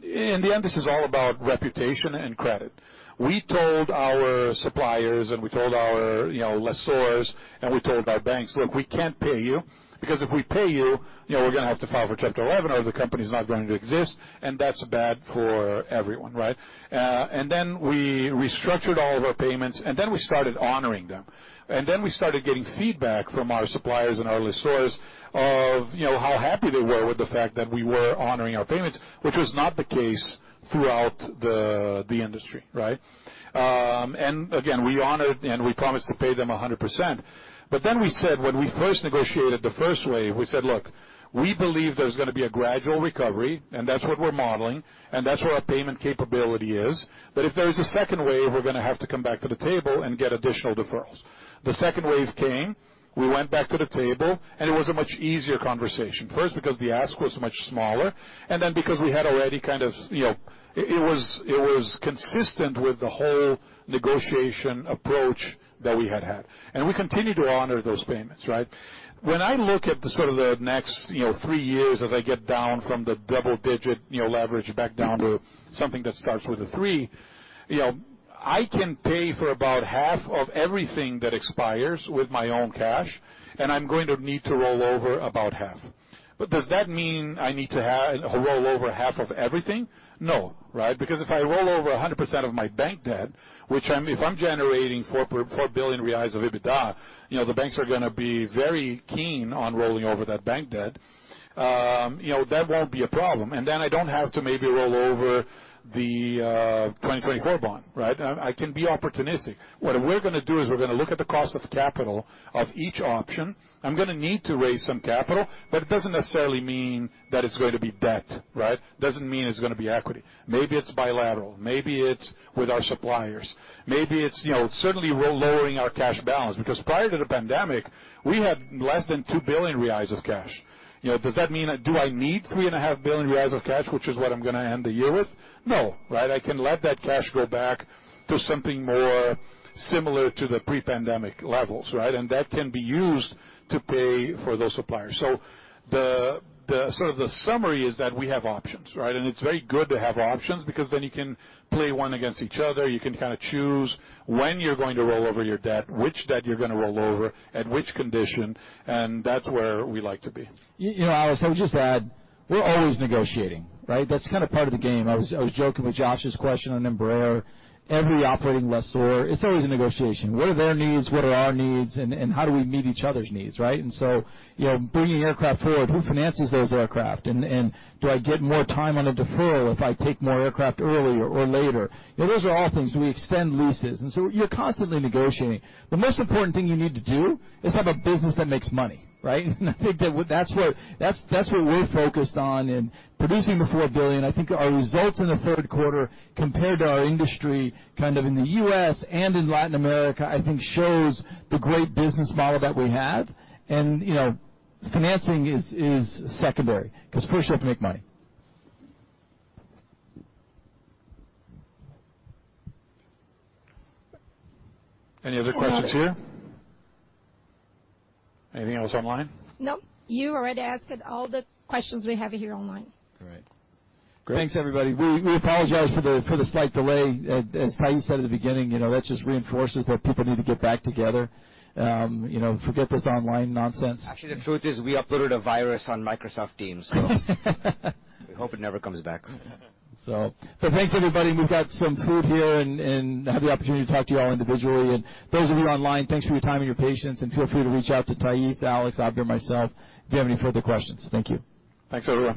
In the end, this is all about reputation and credit. We told our suppliers and we told our, you know, lessors, and we told our banks, "Look, we can't pay you, because if we pay you know, we're gonna have to file for Chapter 11, or the company's not going to exist, and that's bad for everyone," right? And then we restructured all of our payments, and then we started honoring them. Then we started getting feedback from our suppliers and our lessors of, you know, how happy they were with the fact that we were honoring our payments, which was not the case throughout the industry, right? Again, we honored, and we promised to pay them a 100%. We said when we first negotiated the first wave, we said, "Look, we believe there's gonna be a gradual recovery, and that's what we're modeling, and that's where our payment capability is. But if there is a second wave, we're gonna have to come back to the table and get additional deferrals." The second wave came, we went back to the table, and it was a much easier conversation. First, because the ask was much smaller, and then because we had already kind of, you know. It was consistent with the whole negotiation approach that we had had. We continued to honor those payments, right? When I look at the sort of the next thre years as I get down from the double digit, you know, leverage back down to something that starts with a three, you know, I can pay for about half of everything that expires with my own cash, and I'm going to need to roll over about half. Does that mean I need to roll over half of everything? No. Right? Because if I roll over 100% of my bank debt, If I'm generating 4 billion reais of EBITDA, you know, the banks are gonna be very keen on rolling over that bank debt. You know, that won't be a problem. I don't have to maybe roll over the 2024 bond, right? I can be opportunistic. What we're gonna do is we're gonna look at the cost of capital of each option. I'm gonna need to raise some capital, but it doesn't necessarily mean that it's going to be debt, right? Doesn't mean it's gonna be equity. Maybe it's bilateral. Maybe it's with our suppliers. Maybe it's, you know, certainly we're lowering our cash balance, because prior to the pandemic, we had less than 2 billion reais of cash. You know, does that mean? Do I need 3.5 billion reais of cash, which is what I'm gonna end the year with? No. Right? I can let that cash go back to something more similar to the pre-pandemic levels, right? That can be used to pay for those suppliers. The sort of summary is that we have options, right? It's very good to have options because then you can play one against each other. You can kinda choose when you're going to roll over your debt, which debt you're gonna roll over, at which condition, and that's where we like to be. You know, Alex, I would just add, we're always negotiating, right? That's kind of part of the game. I was joking with Josh's question on Embraer. Every operating lessor, it's always a negotiation. What are their needs, what are our needs, and how do we meet each other's needs, right? You know, bringing aircraft forward, who finances those aircraft? And do I get more time on a deferral if I take more aircraft earlier or later? You know, those are all things. We extend leases. You're constantly negotiating. The most important thing you need to do is have a business that makes money, right? I think that's what we're focused on in producing the $4 billion. I think our results in the third quarter compared to our industry, kind of in the U.S. and in Latin America, I think shows the great business model that we have. You know, financing is secondary, 'cause first you have to make money. Any other questions here? Anything else online? Nope. You already asked all the questions we have here online. All right. Great. Thanks, everybody. We apologize for the slight delay. As Thais said at the beginning, you know, that just reinforces that people need to get back together. You know, forget this online nonsense. Actually, the truth is we uploaded a virus on Microsoft Teams. We hope it never comes back. Thanks, everybody. We've got some food here and have the opportunity to talk to you all individually. Those of you online, thanks for your time and your patience, and feel free to reach out to Thais, Alex, Abhi, myself if you have any further questions. Thank you. Thanks, everyone.